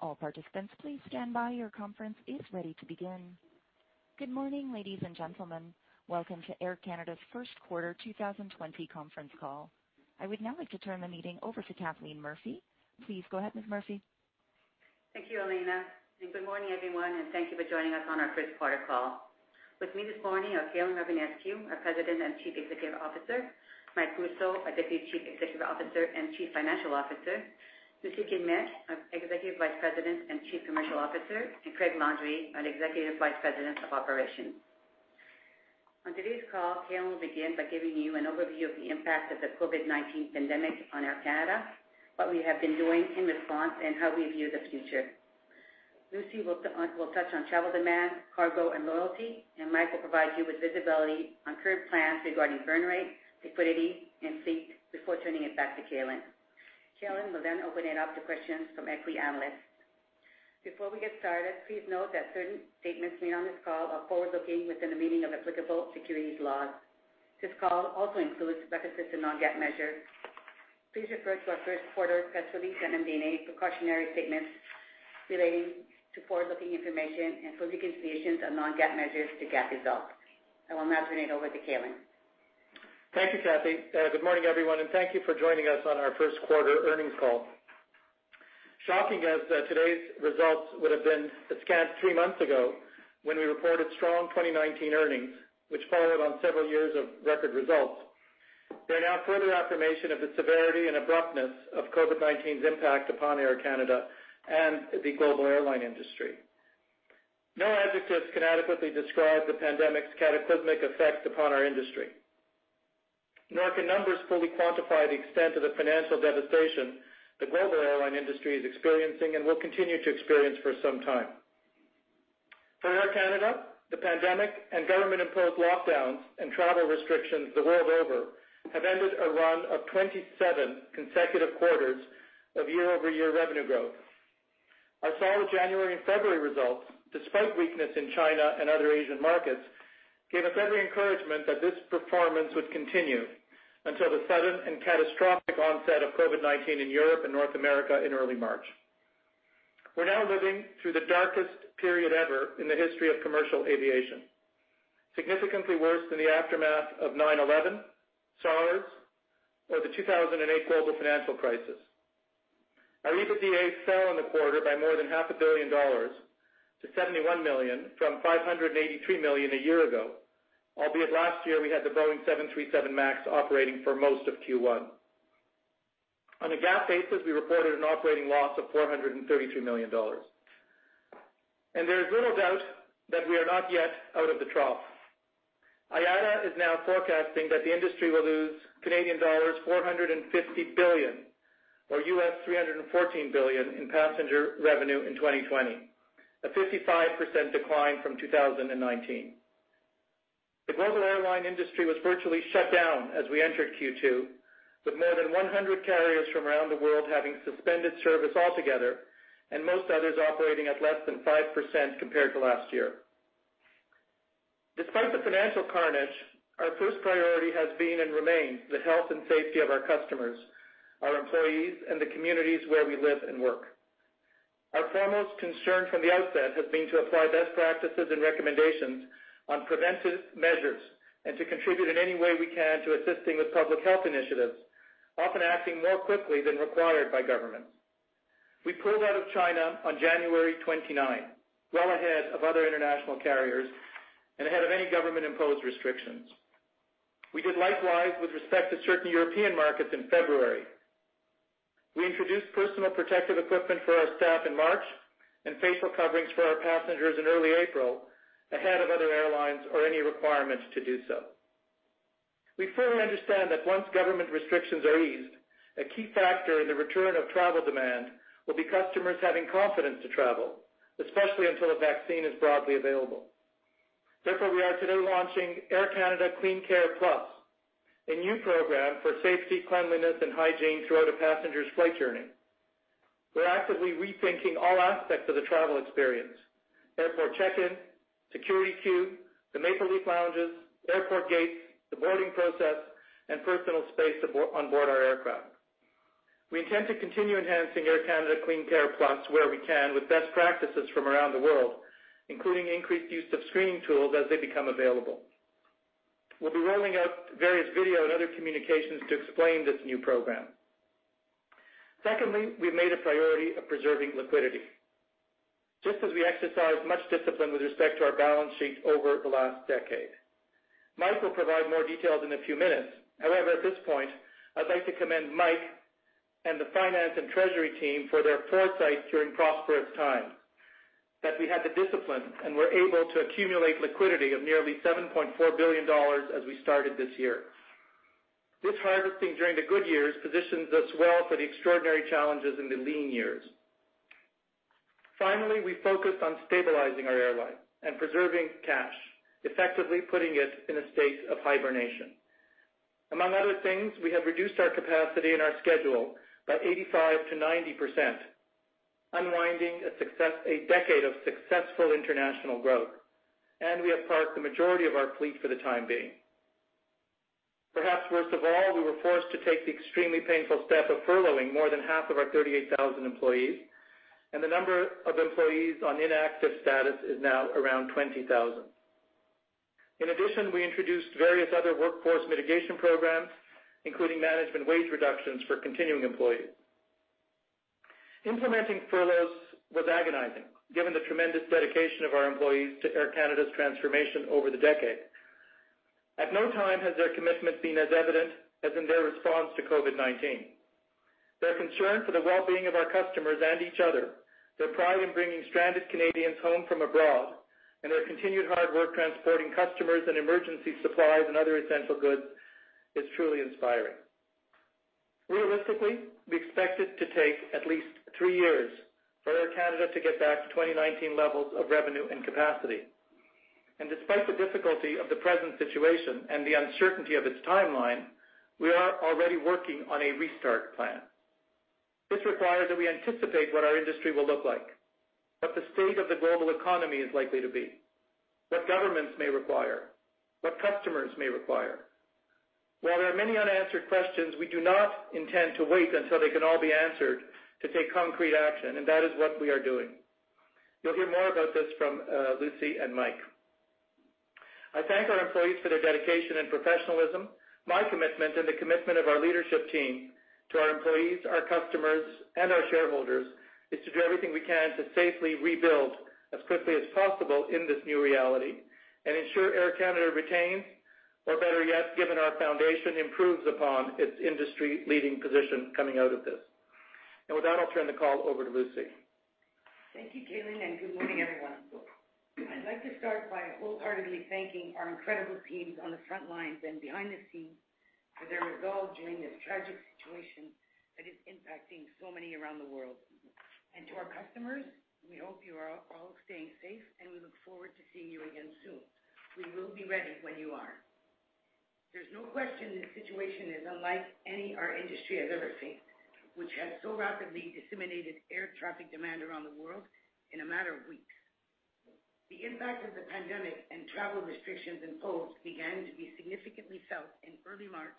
All participants, please stand by. Your conference is ready to begin. Good morning, ladies and gentlemen. Welcome to Air Canada's First Quarter 2020 Conference Call. I would now like to turn the meeting over to Kathleen Murphy. Please go ahead, Ms. Murphy. Thank you, Elena, good morning, everyone, thank you for joining us on our first quarter call. With me this morning are Calin Rovinescu, our President and Chief Executive Officer, Mike Rousseau, our Deputy Chief Executive Officer and Chief Financial Officer, Lucie Guillemette, our Executive Vice President and Chief Commercial Officer, Craig Landry, our Executive Vice President of Operations. On today's call, Calin will begin by giving you an overview of the impact of the COVID-19 pandemic on Air Canada, what we have been doing in response, and how we view the future. Lucie will touch on travel demand, cargo, and loyalty, Mike will provide you with visibility on current plans regarding burn rate, liquidity, and fleet before turning it back to Calin. Calin will open it up to questions from equity analysts. Before we get started, please note that certain statements made on this call are forward-looking within the meaning of applicable securities laws. This call also includes references to non-GAAP measures. Please refer to our first quarter press release and MD&A precautionary statements relating to forward-looking information and full reconciliations of non-GAAP measures to GAAP results. I will now turn it over to Calin. Thank you, Kathy. Good morning, everyone, and thank you for joining us on our first quarter earnings call. Shocking as today's results would have been scant three months ago when we reported strong 2019 earnings, which followed on several years of record results. They are now further affirmation of the severity and abruptness of COVID-19's impact upon Air Canada and the global airline industry. No adjectives can adequately describe the pandemic's cataclysmic effects upon our industry, nor can numbers fully quantify the extent of the financial devastation the global airline industry is experiencing and will continue to experience for some time. For Air Canada, the pandemic and government-imposed lockdowns and travel restrictions the world over have ended a run of 27 consecutive quarters of year-over-year revenue growth. Our solid January and February results, despite weakness in China and other Asian markets, gave us every encouragement that this performance would continue until the sudden and catastrophic onset of COVID-19 in Europe and North America in early March. We're now living through the darkest period ever in the history of commercial aviation, significantly worse than the aftermath of 9/11, SARS, or the 2008 global financial crisis. Our EBITDA fell in the quarter by more than 500 million dollars to 71 million from 583 million a year ago, albeit last year, we had the Boeing 737 MAX operating for most of Q1. On a GAAP basis, we reported an operating loss of 433 million dollars. There is little doubt that we are not yet out of the trough. IATA is now forecasting that the industry will lose Canadian dollars 450 billion or $314 billion in passenger revenue in 2020, a 55% decline from 2019. The global airline industry was virtually shut down as we entered Q2, with more than 100 carriers from around the world having suspended service altogether and most others operating at less than 5% compared to last year. Despite the financial carnage, our first priority has been and remains the health and safety of our customers, our employees, and the communities where we live and work. Our foremost concern from the outset has been to apply best practices and recommendations on preventive measures and to contribute in any way we can to assisting with public health initiatives, often acting more quickly than required by governments. We pulled out of China on January 29th, well ahead of other international carriers and ahead of any government-imposed restrictions. We did likewise with respect to certain European markets in February. We introduced personal protective equipment for our staff in March and facial coverings for our passengers in early April, ahead of other airlines or any requirements to do so. We firmly understand that once government restrictions are eased, a key factor in the return of travel demand will be customers having confidence to travel, especially until a vaccine is broadly available. Therefore, we are today launching Air Canada CleanCare+, a new program for safety, cleanliness, and hygiene throughout a passenger's flight journey. We're actively rethinking all aspects of the travel experience, airport check-in, security queue, the Maple Leaf Lounges, airport gates, the boarding process, and personal space on board our aircraft. We intend to continue enhancing Air Canada CleanCare+ where we can with best practices from around the world, including increased use of screening tools as they become available. We'll be rolling out various video and other communications to explain this new program. We've made a priority of preserving liquidity, just as we exercised much discipline with respect to our balance sheet over the last decade. Mike will provide more details in a few minutes. At this point, I'd like to commend Mike and the finance and treasury team for their foresight during prosperous times, that we had the discipline and were able to accumulate liquidity of nearly 7.4 billion dollars as we started this year. This harvesting during the good years positions us well for the extraordinary challenges in the lean years. Finally, we focused on stabilizing our airline and preserving cash, effectively putting it in a state of hibernation. Among other things, we have reduced our capacity and our schedule by 85%-90%, unwinding a decade of successful international growth, and we have parked the majority of our fleet for the time being. Perhaps worst of all, we were forced to take the extremely painful step of furloughing more than half of our 38,000 employees, and the number of employees on inactive status is now around 20,000. In addition, we introduced various other workforce mitigation programs, including management wage reductions for continuing employees. Implementing furloughs was agonizing, given the tremendous dedication of our employees to Air Canada's transformation over the decade. At no time has their commitment been as evident as in their response to COVID-19. Their concern for the well-being of our customers and each other, their pride in bringing stranded Canadians home from abroad, and their continued hard work transporting customers and emergency supplies and other essential goods is truly inspiring. Realistically, we expect it to take at least three years for Air Canada to get back to 2019 levels of revenue and capacity. Despite the difficulty of the present situation and the uncertainty of its timeline, we are already working on a restart plan. This requires that we anticipate what our industry will look like, what the state of the global economy is likely to be, what governments may require, what customers may require. While there are many unanswered questions, we do not intend to wait until they can all be answered to take concrete action, and that is what we are doing. You'll hear more about this from Lucie and Mike. I thank our employees for their dedication and professionalism. My commitment and the commitment of our leadership team to our employees, our customers, and our shareholders is to do everything we can to safely rebuild as quickly as possible in this new reality and ensure Air Canada retains, or better yet, given our foundation, improves upon its industry-leading position coming out of this. With that, I'll turn the call over to Lucie. Thank you, Calin. Good morning, everyone. I'd like to start by wholeheartedly thanking our incredible teams on the front lines and behind the scenes for their resolve during this tragic situation that is impacting so many around the world. To our customers, we hope you are all staying safe, and we look forward to seeing you again soon. We will be ready when you are. There's no question this situation is unlike any our industry has ever seen, which has so rapidly decimated air traffic demand around the world in a matter of weeks. The impact of the pandemic and travel restrictions imposed began to be significantly felt in early March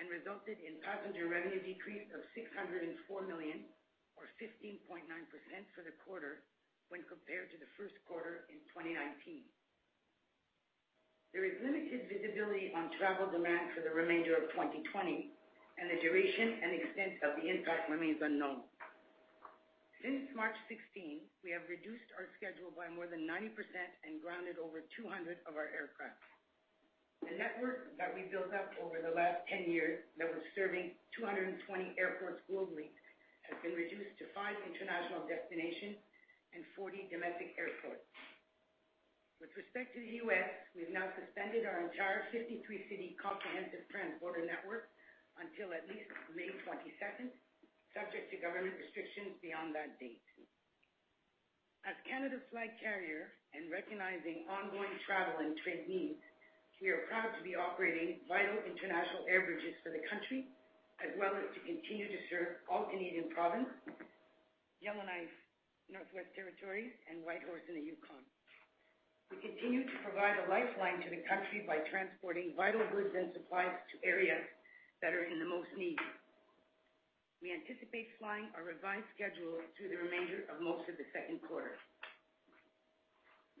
and resulted in passenger revenue decrease of 604 million or 15.9% for the quarter when compared to the first quarter in 2019. There is limited visibility on travel demand for the remainder of 2020, and the duration and extent of the impact remains unknown. Since March 16, we have reduced our schedule by more than 90% and grounded over 200 of our aircraft. The network that we built up over the last 10 years that was serving 220 airports globally has been reduced to 40 domestic airports. With respect to the U.S., we have now suspended our entire 53-city comprehensive transborder network until at least May 22nd, subject to government restrictions beyond that date. As Canada's flag carrier and recognizing ongoing travel and trade needs, we are proud to be operating vital international air bridges for the country, as well as to continue to serve all Canadian provinces, Yellowknife, Northwest Territories, and Whitehorse in the Yukon. We continue to provide a lifeline to the country by transporting vital goods and supplies to areas that are in the most need. We anticipate flying our revised schedule through the remainder of most of the second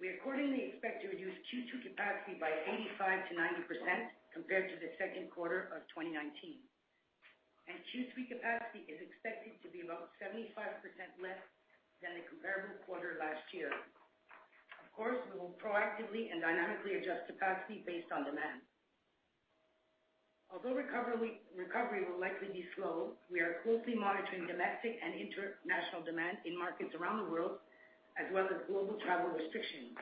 quarter. We accordingly expect to reduce Q2 capacity by 85%-90% compared to the second quarter of 2019. Q3 capacity is expected to be about 75% less than the comparable quarter last year. Of course, we will proactively and dynamically adjust capacity based on demand. Although recovery will likely be slow, we are closely monitoring domestic and international demand in markets around the world, as well as global travel restrictions.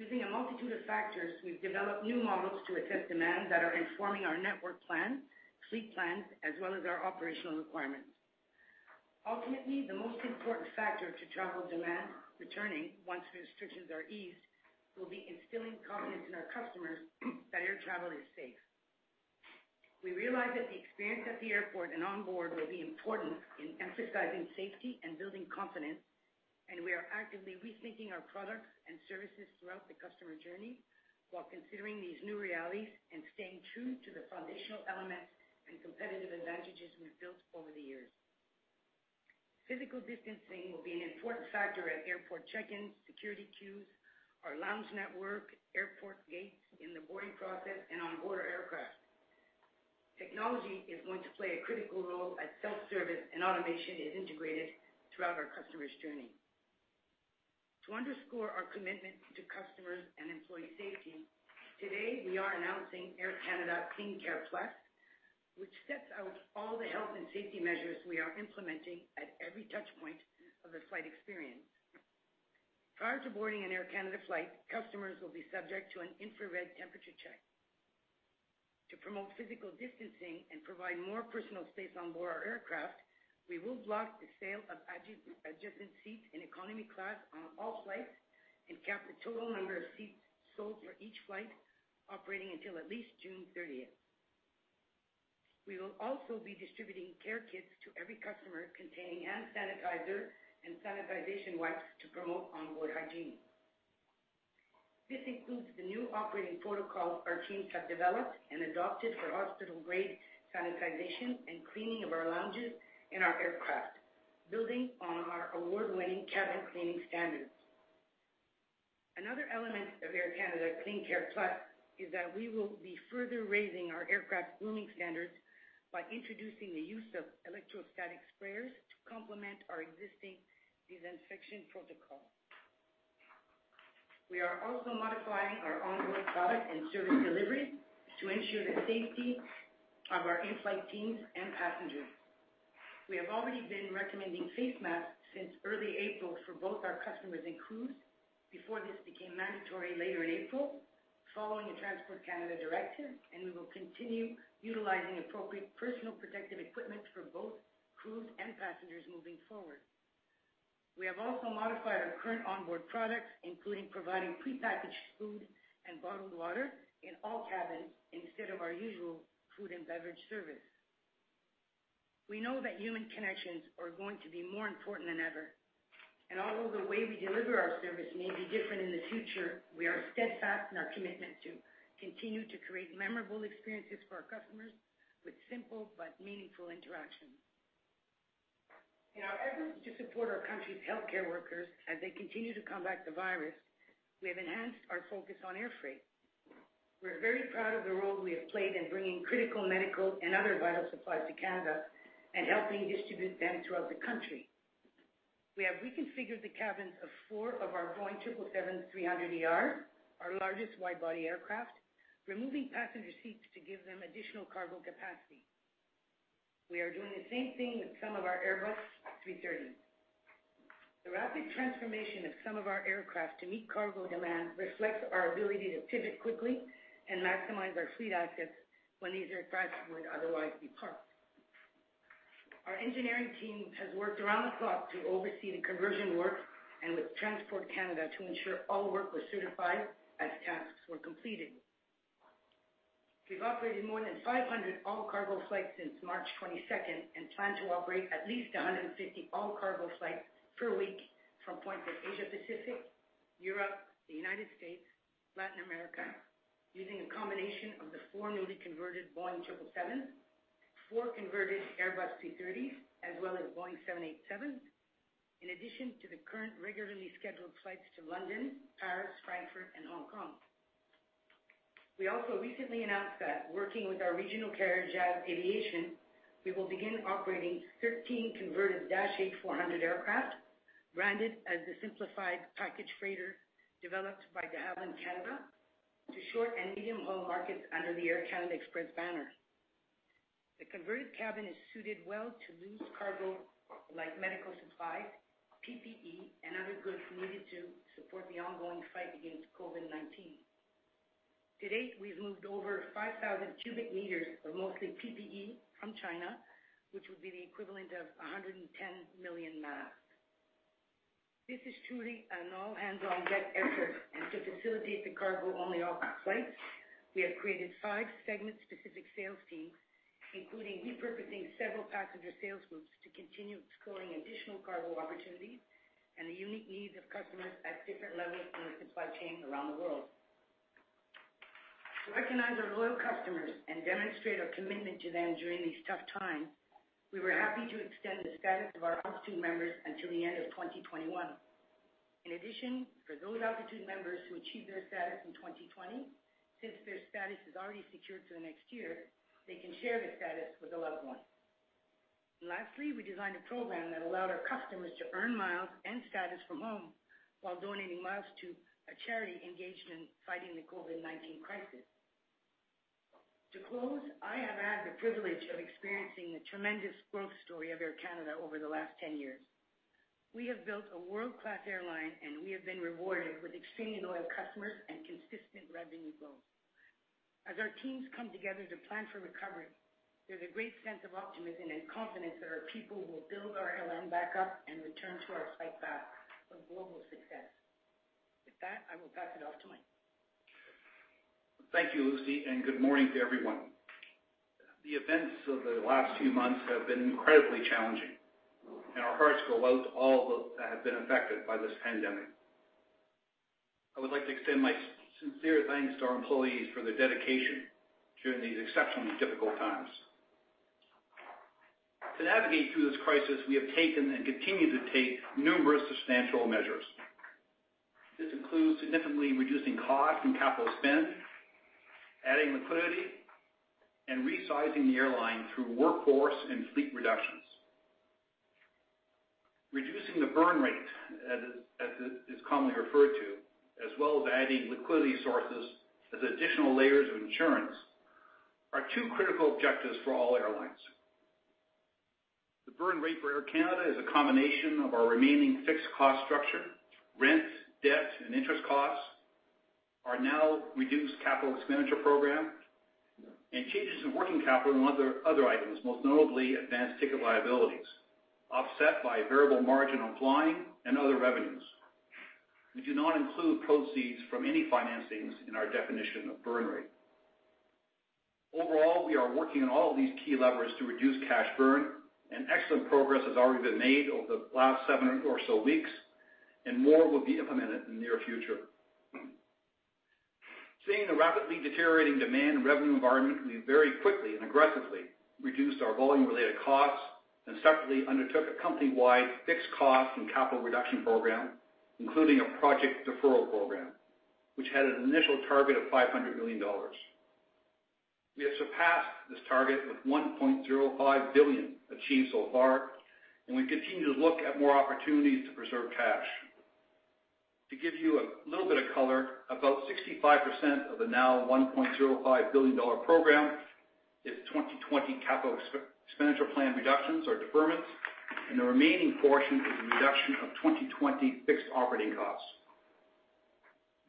Using a multitude of factors, we've developed new models to assess demands that are informing our network plan, fleet plans, as well as our operational requirements. Ultimately, the most important factor to travel demand returning once restrictions are eased will be instilling confidence in our customers that air travel is safe. We realize that the experience at the airport and on board will be important in emphasizing safety and building confidence, and we are actively rethinking our products and services throughout the customer journey while considering these new realities and staying true to the foundational elements and competitive advantages we've built over the years. Physical distancing will be an important factor at airport check-ins, security queues, our lounge network, airport gates, in the boarding process, and on board our aircraft. Technology is going to play a critical role as self-service and automation is integrated throughout our customers' journey. To underscore our commitment to customers and employee safety, today we are announcing Air Canada CleanCare+, which sets out all the health and safety measures we are implementing at every touchpoint of the flight experience. Prior to boarding an Air Canada flight, customers will be subject to an infrared temperature check. To promote physical distancing and provide more personal space on board our aircraft, we will block the sale of adjacent seats in economy class on all flights and cap the total number of seats sold for each flight operating until at least June 30th. We will also be distributing care kits to every customer containing hand sanitizer and sanitization wipes to promote onboard hygiene. This includes the new operating protocol our teams have developed and adopted for hospital-grade sanitization and cleaning of our lounges and our aircraft, building on our award-winning cabin cleaning standards. Another element of Air Canada CleanCare+ is that we will be further raising our aircraft cleaning standards by introducing the use of electrostatic sprayers to complement our existing disinfection protocol. We are also modifying our onboard product and service delivery to ensure the safety of our in-flight teams and passengers. We have already been recommending face masks since early April for both our customers and crews before this became mandatory later in April, following a Transport Canada directive, and we will continue utilizing appropriate personal protective equipment for both crews and passengers moving forward. We have also modified our current onboard products, including providing prepackaged food and bottled water in all cabins instead of our usual food and beverage service. We know that human connections are going to be more important than ever, and although the way we deliver our service may be different in the future, we are steadfast in our commitment to continue to create memorable experiences for our customers with simple but meaningful interactions. In our efforts to support our country's healthcare workers as they continue to combat the virus, we have enhanced our focus on air freight. We're very proud of the role we have played in bringing critical medical and other vital supplies to Canada and helping distribute them throughout the country. We have reconfigured the cabins of four of our Boeing 777-300ER, our largest wide-body aircraft, removing passenger seats to give them additional cargo capacity. We are doing the same thing with some of our Airbus A330s. The rapid transformation of some of our aircraft to meet cargo demand reflects our ability to pivot quickly and maximize our fleet assets when these aircraft would otherwise be parked. Our engineering team has worked around the clock to oversee the conversion work and with Transport Canada to ensure all work was certified as tasks were completed. We've operated more than 500 all-cargo flights since March 22nd and plan to operate at least 150 all-cargo flights per week from points like Asia Pacific, Europe, the United States, Latin America, using a combination of the four newly converted Boeing 777s, four converted Airbus A330s, as well as Boeing 787s, in addition to the current regularly scheduled flights to London, Paris, Frankfurt and Hong Kong. We also recently announced that working with our regional carrier, Jazz Aviation, we will begin operating 13 converted Dash 8-400 aircraft, branded as the Simplified Package Freighter developed by De Havilland Canada to short and medium-haul markets under the Air Canada Express banner. The converted cabin is suited well to loose cargo like medical supplies, PPE, and other goods needed to support the ongoing fight against COVID-19. To date, we've moved over 5,000 cubic meters of mostly PPE from China, which would be the equivalent of 110 million masks. This is truly an all-hands-on-deck effort, and to facilitate the cargo-only flights, we have created five segment-specific sales teams, including repurposing several passenger sales groups to continue exploring additional cargo opportunities and the unique needs of customers at different levels in the supply chain around the world. To recognize our loyal customers and demonstrate our commitment to them during these tough times, we were happy to extend the status of our Altitude members until the end of 2021. In addition, for those Altitude members who achieve their status in 2020, since their status is already secured to the next year, they can share the status with a loved one. Lastly, we designed a program that allowed our customers to earn miles and status from home while donating miles to a charity engaged in fighting the COVID-19 crisis. To close, I have had the privilege of experiencing the tremendous growth story of Air Canada over the last 10 years. We have built a world-class airline, and we have been rewarded with extremely loyal customers and consistent revenue growth. As our teams come together to plan for recovery, there's a great sense of optimism and confidence that our people will build our airline back up and return to our flight path of global success. With that, I will pass it off to Mike. Thank you, Lucie, and good morning to everyone. The events of the last few months have been incredibly challenging. Our hearts go out to all those that have been affected by this pandemic. I would like to extend my sincere thanks to our employees for their dedication during these exceptionally difficult times. To navigate through this crisis, we have taken and continue to take numerous substantial measures. This includes significantly reducing costs and capital spend, adding liquidity, and resizing the airline through workforce and fleet reductions. Reducing the burn rate, as it is commonly referred to, as well as adding liquidity sources as additional layers of insurance are two critical objectives for all airlines. The burn rate for Air Canada is a combination of our remaining fixed cost structure, rents, debts, and interest costs, our now reduced capital expenditure program, and changes in working capital and other items, most notably advanced ticket liabilities, offset by variable margin on flying and other revenues. We do not include proceeds from any financings in our definition of burn rate. Overall, we are working on all of these key levers to reduce cash burn, and excellent progress has already been made over the last seven or so weeks, and more will be implemented in the near future. Seeing the rapidly deteriorating demand in revenue environment, we very quickly and aggressively reduced our volume-related costs and separately undertook a company-wide Fixed Cost and Capital Reduction Program, including a Project Deferral Program, which had an initial target of 500 million dollars. We have surpassed this target with 1.05 billion achieved so far. We continue to look at more opportunities to preserve cash. To give you a little bit of color, about 65% of the now 1.05 billion dollar program is 2020 capital expenditure plan reductions or deferments. The remaining portion is a reduction of 2020 fixed operating costs.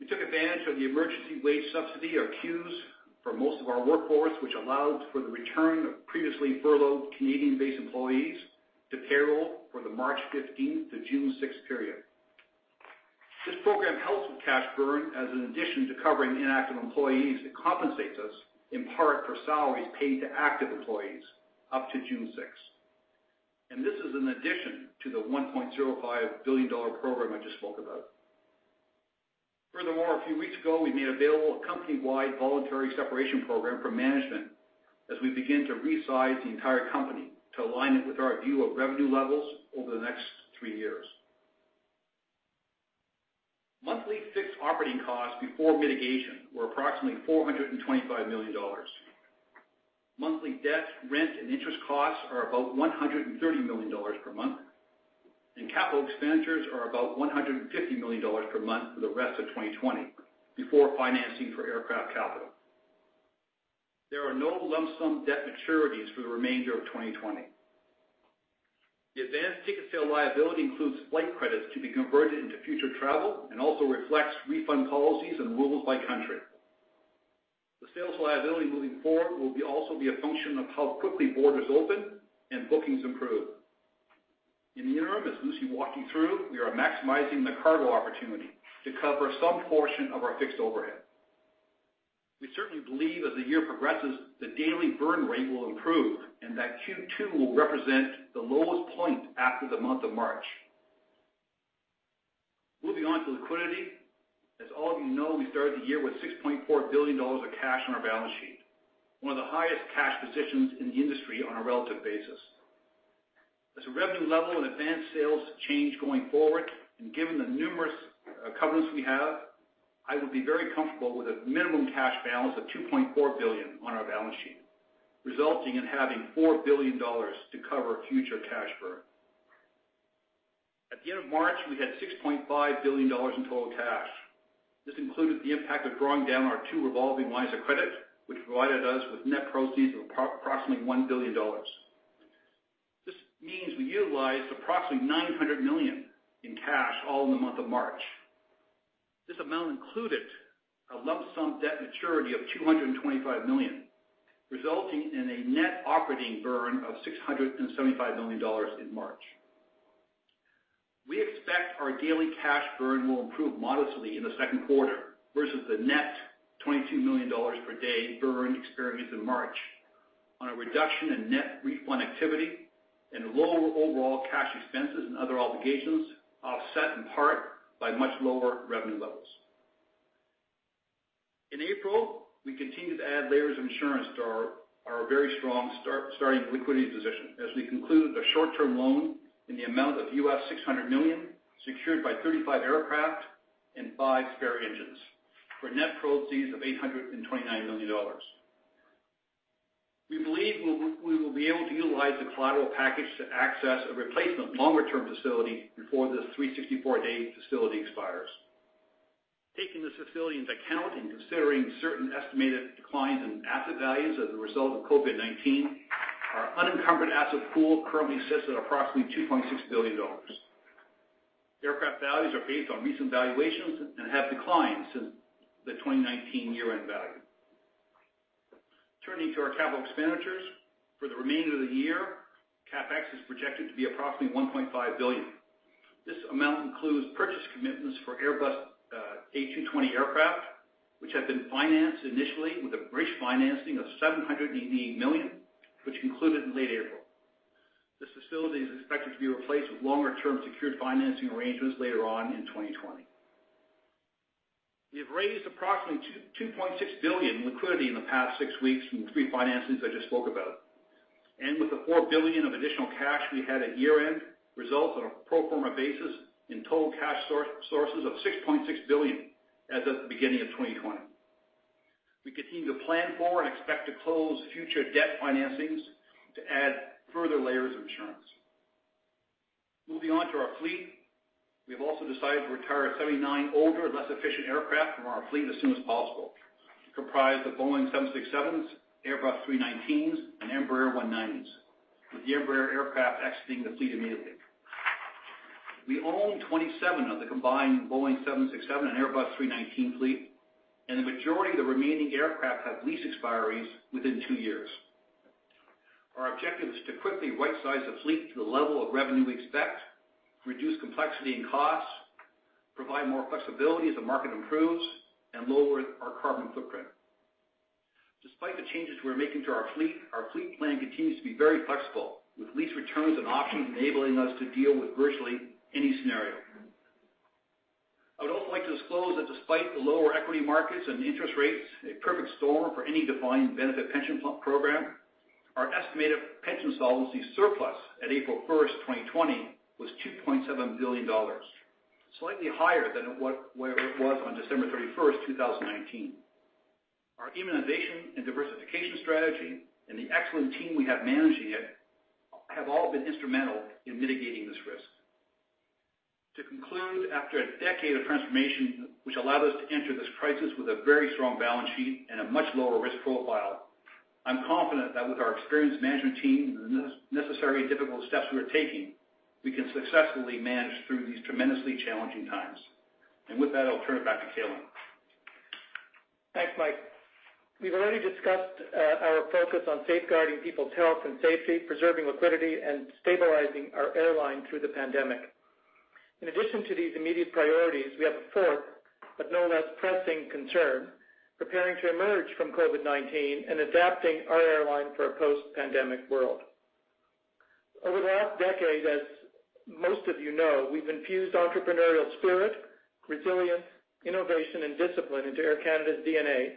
We took advantage of the Emergency Wage Subsidy, or CEWS, for most of our workforce, which allowed for the return of previously furloughed Canadian-based employees to payroll for the March 15th to June 6th period. This program helps with cash burn as an addition to covering inactive employees, it compensates us in part for salaries paid to active employees up to June 6th. This is an addition to the 1.05 billion dollar program I just spoke about. Furthermore, a few weeks ago, we made available a company-wide voluntary separation program for management as we begin to resize the entire company to align it with our view of revenue levels over the next three years. Monthly fixed operating costs before mitigation were approximately 425 million dollars. Monthly debt, rent, and interest costs are about 130 million dollars per month, and capital expenditures are about 150 million dollars per month for the rest of 2020, before financing for aircraft capital. There are no lump sum debt maturities for the remainder of 2020. The advanced ticket sale liability includes flight credits to be converted into future travel and also reflects refund policies and rules by country. The sales liability moving forward will also be a function of how quickly borders open and bookings improve. In the interim, as Lucie walked you through, we are maximizing the cargo opportunity to cover some portion of our fixed overhead. We certainly believe as the year progresses, the daily burn rate will improve, and that Q2 will represent the lowest point after the month of March. Moving on to liquidity. As all of you know, we started the year with 6.4 billion dollars of cash on our balance sheet, one of the highest cash positions in the industry on a relative basis. As the revenue level and advanced sales change going forward, and given the numerous covenants we have, I would be very comfortable with a minimum cash balance of 2.4 billion on our balance sheet, resulting in having 4 billion dollars to cover future cash burn. At the end of March, we had 6.5 billion dollars in total cash. This included the impact of drawing down our two revolving lines of credit, which provided us with net proceeds of approximately 1 billion dollars. This means we utilized approximately 900 million in cash all in the month of March. This amount included a lump sum debt maturity of 225 million, resulting in a net operating burn of 675 million dollars in March. We expect our daily cash burn will improve modestly in the second quarter versus the net 22 million dollars per day burn experienced in March on a reduction in net refund activity and lower overall cash expenses and other obligations offset in part by much lower revenue levels. In April, we continued to add layers of insurance to our very strong starting liquidity position as we concluded a short-term loan in the amount of $600 million, secured by 35 aircraft and five spare engines for net proceeds of 829 million dollars. We believe we will be able to utilize the collateral package to access a replacement longer-term facility before this 364-day facility expires. Taking this facility into account and considering certain estimated declines in asset values as a result of COVID-19, our unencumbered asset pool currently sits at approximately 2.6 billion dollars. Aircraft values are based on recent valuations and have declined since the 2019 year-end value. Turning to our capital expenditures. For the remainder of the year, CapEx is projected to be approximately 1.5 billion. This amount includes purchase commitments for Airbus A220 aircraft, which have been financed initially with a bridge financing of 788 million, which concluded in late April. This facility is expected to be replaced with longer-term secured financing arrangements later on in 2020. We have raised approximately 2.6 billion in liquidity in the past six weeks from the three financings I just spoke about. With the 4 billion of additional cash we had at year-end, results on a pro forma basis in total cash sources of 6.6 billion as of the beginning of 2020. We continue to plan for and expect to close future debt financings to add further layers of insurance. Moving on to our fleet. We have also decided to retire 79 older, less efficient aircraft from our fleet as soon as possible, comprised of Boeing 767s, Airbus A319s, and Embraer E190s, with the Embraer aircraft exiting the fleet immediately. We own 27 of the combined Boeing 767 and Airbus A319 fleet, and the majority of the remaining aircraft have lease expiries within two years. Our objective is to quickly right-size the fleet to the level of revenue we expect, reduce complexity and costs, provide more flexibility as the market improves, and lower our carbon footprint. Despite the changes we're making to our fleet, our fleet plan continues to be very flexible with lease returns and options enabling us to deal with virtually any scenario. I would also like to disclose that despite the lower equity markets and interest rates, a perfect storm for any defined benefit pension program, our estimated pension solvency surplus at April 1st, 2020 was 2.7 billion dollars, slightly higher than where it was on December 31st, 2019. Our innovation and diversification strategy and the excellent team we have managing it have all been instrumental in mitigating this risk. To conclude, after a decade of transformation, which allowed us to enter this crisis with a very strong balance sheet and a much lower risk profile, I'm confident that with our experienced management team and the necessary difficult steps we are taking, we can successfully manage through these tremendously challenging times. With that, I'll turn it back to Calin. Thanks, Mike. We've already discussed our focus on safeguarding people's health and safety, preserving liquidity, and stabilizing our airline through the pandemic. In addition to these immediate priorities, we have a fourth but no less pressing concern, preparing to emerge from COVID-19 and adapting our airline for a post-pandemic world. Over the last decade, as most of you know, we've infused entrepreneurial spirit, resilience, innovation, and discipline into Air Canada's DNA.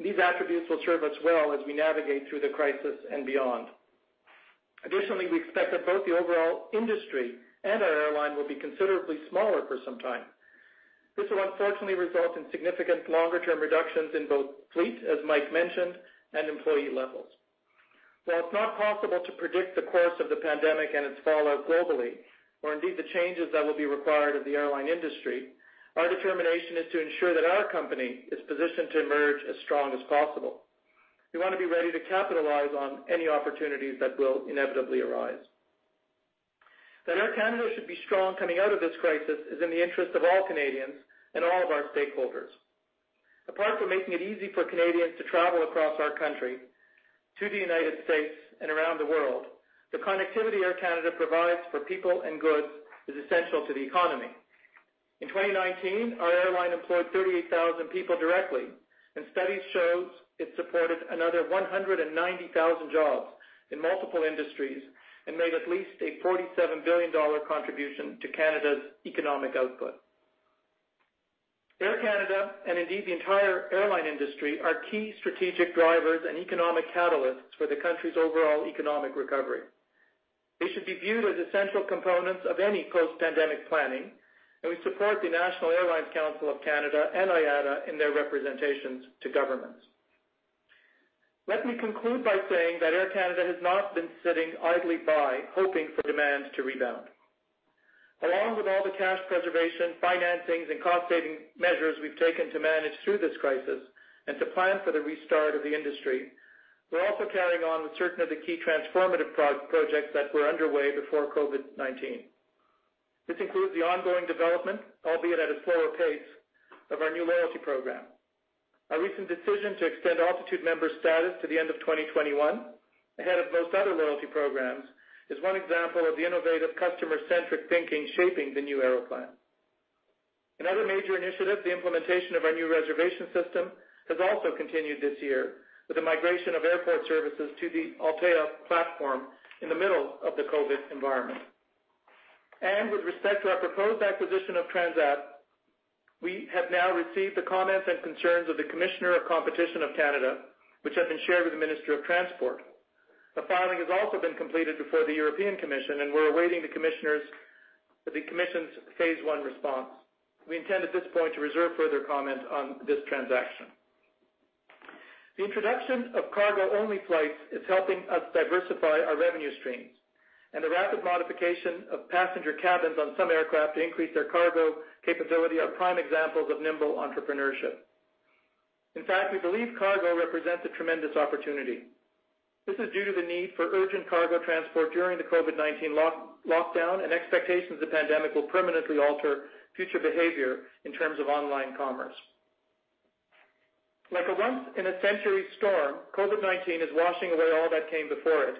These attributes will serve us well as we navigate through the crisis and beyond. Additionally, we expect that both the overall industry and our airline will be considerably smaller for some time. This will unfortunately result in significant longer-term reductions in both fleet, as Mike mentioned, and employee levels. While it's not possible to predict the course of the pandemic and its fallout globally, or indeed the changes that will be required of the airline industry, our determination is to ensure that our company is positioned to emerge as strong as possible. We want to be ready to capitalize on any opportunities that will inevitably arise. That Air Canada should be strong coming out of this crisis is in the interest of all Canadians and all of our stakeholders. Apart from making it easy for Canadians to travel across our country, to the United States, and around the world, the connectivity Air Canada provides for people and goods is essential to the economy. In 2019, our airline employed 38,000 people directly, and studies shows it supported another 190,000 jobs in multiple industries and made at least a 47 billion dollar contribution to Canada's economic output. Air Canada, and indeed the entire airline industry, are key strategic drivers and economic catalysts for the country's overall economic recovery. They should be viewed as essential components of any post-pandemic planning, and we support the National Airlines Council of Canada and IATA in their representations to governments. Let me conclude by saying that Air Canada has not been sitting idly by hoping for demands to rebound. Along with all the cash preservation, financings, and cost-saving measures we've taken to manage through this crisis and to plan for the restart of the industry, we're also carrying on with certain of the key transformative projects that were underway before COVID-19. This includes the ongoing development, albeit at a slower pace, of our new loyalty program. Our recent decision to extend Altitude Member status to the end of 2021, ahead of most other loyalty programs, is one example of the innovative customer-centric thinking shaping the new Aeroplan. Another major initiative, the implementation of our new reservation system, has also continued this year with the migration of airport services to the Altéa platform in the middle of the COVID-19 environment. With respect to our proposed acquisition of Transat, we have now received the comments and concerns of the Commissioner of Competition of Canada, which have been shared with Transport Canada. The filing has also been completed before the European Commission, we're awaiting the Commission's Phase 1 response. We intend at this point to reserve further comment on this transaction. The introduction of cargo-only flights is helping us diversify our revenue streams, and the rapid modification of passenger cabins on some aircraft to increase their cargo capability are prime examples of nimble entrepreneurship. In fact, we believe cargo represents a tremendous opportunity. This is due to the need for urgent cargo transport during the COVID-19 lockdown and expectations the pandemic will permanently alter future behavior in terms of online commerce. Like a once in a century storm, COVID-19 is washing away all that came before it,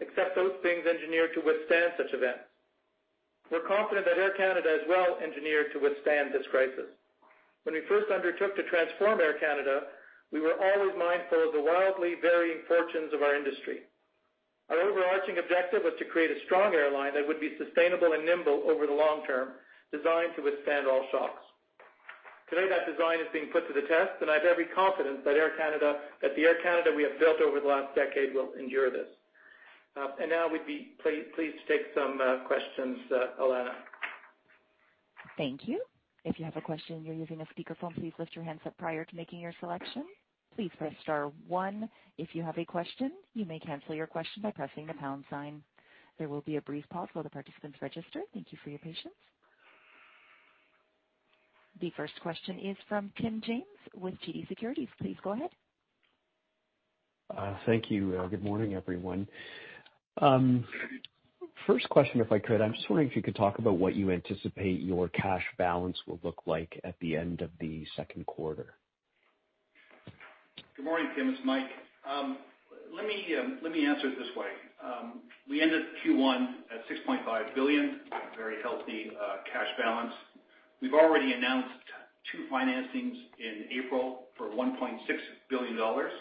except those things engineered to withstand such events. We're confident that Air Canada is well engineered to withstand this crisis. When we first undertook to transform Air Canada, we were always mindful of the wildly varying fortunes of our industry. Our overarching objective was to create a strong airline that would be sustainable and nimble over the long term, designed to withstand all shocks. Today, that design is being put to the test, and I have every confidence that the Air Canada we have built over the last decade will endure this. Now we'd be pleased to take some questions, Alanna. Thank you. If you have a question and you're using a speakerphone, please lift your handset prior to making your selection. Please press star one if you have a question. You may cancel your question by pressing the pound sign. There will be a brief pause while the participants register. Thank you for your patience. The first question is from Tim James with TD Securities. Please go ahead. Thank you. Good morning, everyone. First question, if I could, I'm just wondering if you could talk about what you anticipate your cash balance will look like at the end of the second quarter. Good morning, Tim. It's Mike. Let me answer it this way. We ended Q1 at 6.5 billion, a very healthy cash balance. We've already announced two financings in April for 1.6 billion dollars.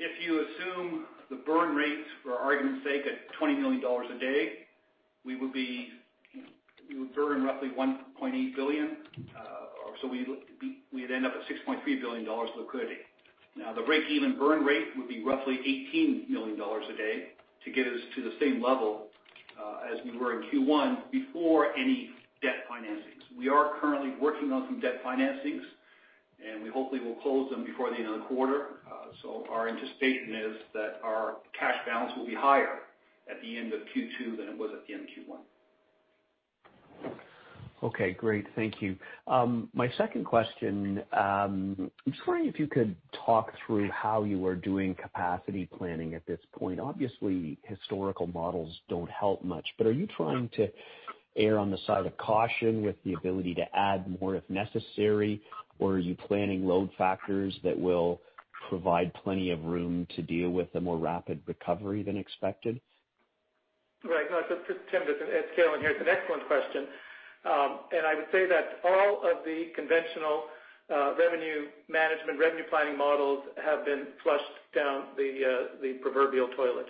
If you assume the burn rates, for argument's sake, at 20 million dollars a day, we would burn roughly 1.8 billion, so we'd end up at 6.3 billion dollars liquidity. Now, the break-even burn rate would be roughly 18 million dollars a day to get us to the same level as we were in Q1 before any debt financings. We are currently working on some debt financings, and we hopefully will close them before the end of the quarter. Our anticipation is that our cash balance will be higher at the end of Q2 than it was at the end of Q1. Okay, great. Thank you. My second question, I'm just wondering if you could talk through how you are doing capacity planning at this point. Obviously, historical models don't help much, but are you trying to err on the side of caution with the ability to add more if necessary? Are you planning load factors that will provide plenty of room to deal with a more rapid recovery than expected? Right. No, Tim, it's Calin here. It's an excellent question. I would say that all of the conventional revenue management, revenue planning models have been flushed down the proverbial toilet.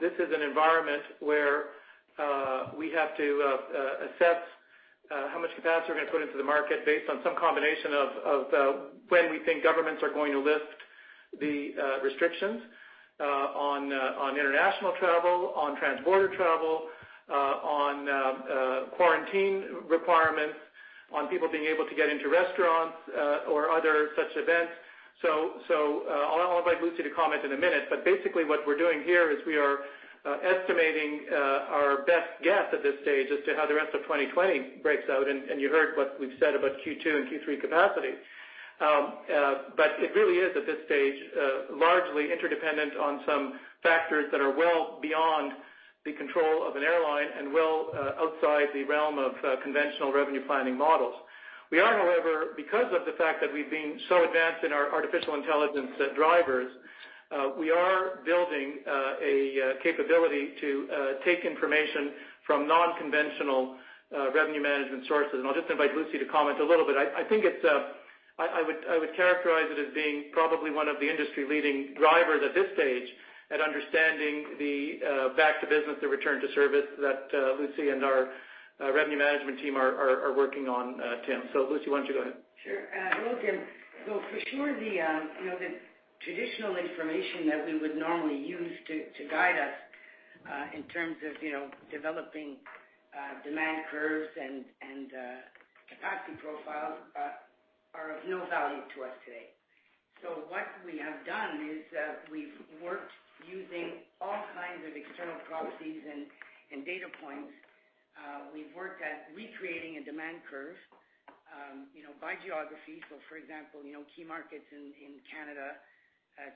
This is an environment where we have to assess how much capacity we're going to put into the market based on some combination of when we think governments are going to lift the restrictions on international travel, on transborder travel, on quarantine requirements, on people being able to get into restaurants or other such events. I'll invite Lucie to comment in a minute, but basically what we're doing here is we are estimating our best guess at this stage as to how the rest of 2020 breaks out, and you heard what we've said about Q2 and Q3 capacity. It really is, at this stage, largely interdependent on some factors that are well beyond the control of an airline and well outside the realm of conventional revenue planning models. We are, however, because of the fact that we've been so advanced in our artificial intelligence drivers, we are building a capability to take information from non-conventional revenue management sources. I'll just invite Lucie to comment a little bit. I would characterize it as being probably one of the industry-leading drivers at this stage at understanding the back to business, the return to service that Lucie and our revenue management team are working on, Tim. Lucie, why don't you go ahead? Sure. Hello, Tim. For sure, the traditional information that we would normally use to guide us in terms of developing demand curves and capacity profiles are of no value to us today. What we have done is we've worked using all kinds of external proxies and data points. We've worked at recreating a demand curve by geography. For example key markets in Canada,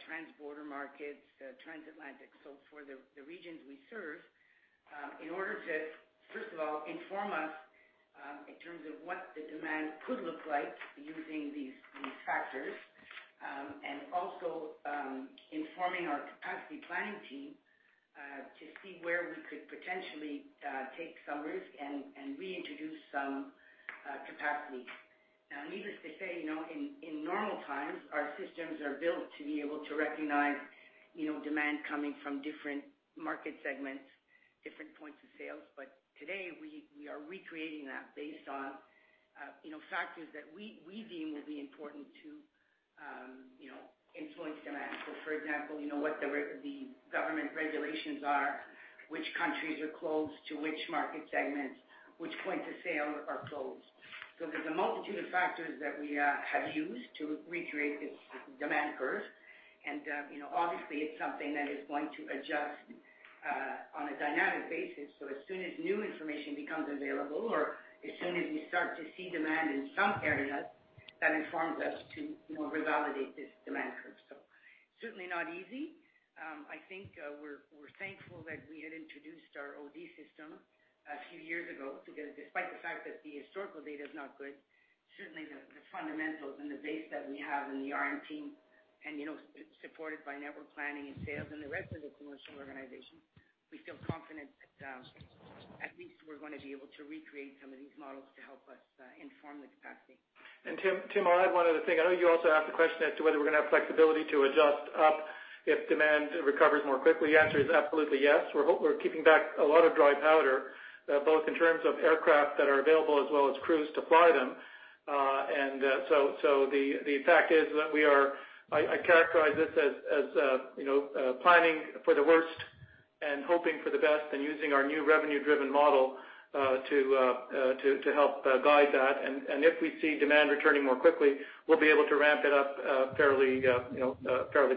transborder markets, transatlantic. For the regions we serve, in order to, first of all, inform us in terms of what the demand could look like using these factors, and also informing our capacity planning team to see where we could potentially take some risk and reintroduce some capacity. Now needless to say in normal times, our systems are built to be able to recognize demand coming from different market segments, different points of sales. Today, we are recreating that based on factors that we deem will be important to influence demand. For example, what the government regulations are, which countries are closed to which market segments, which points of sale are closed. There's a multitude of factors that we have used to recreate this demand curve. Obviously, it's something that is going to adjust on a dynamic basis. As soon as new information becomes available, or as soon as we start to see demand in some areas, that informs us to revalidate this demand curve. Certainly not easy. I think we're thankful that we had introduced our O&D system a few years ago, because despite the fact that the historical data is not good, certainly the fundamentals and the base that we have in the RM team and supported by network planning and sales and the rest of the commercial organization, we feel confident that at least we're going to be able to recreate some of these models to help us inform the capacity. Tim, I'll add one other thing. I know you also asked the question as to whether we're going to have flexibility to adjust up if demand recovers more quickly. The answer is absolutely yes. We're keeping back a lot of dry powder, both in terms of aircraft that are available as well as crews to fly them. The fact is that I characterize this as planning for the worst and hoping for the best and using our new revenue-driven model to help guide that and if we see demand returning more quickly, we'll be able to ramp it up fairly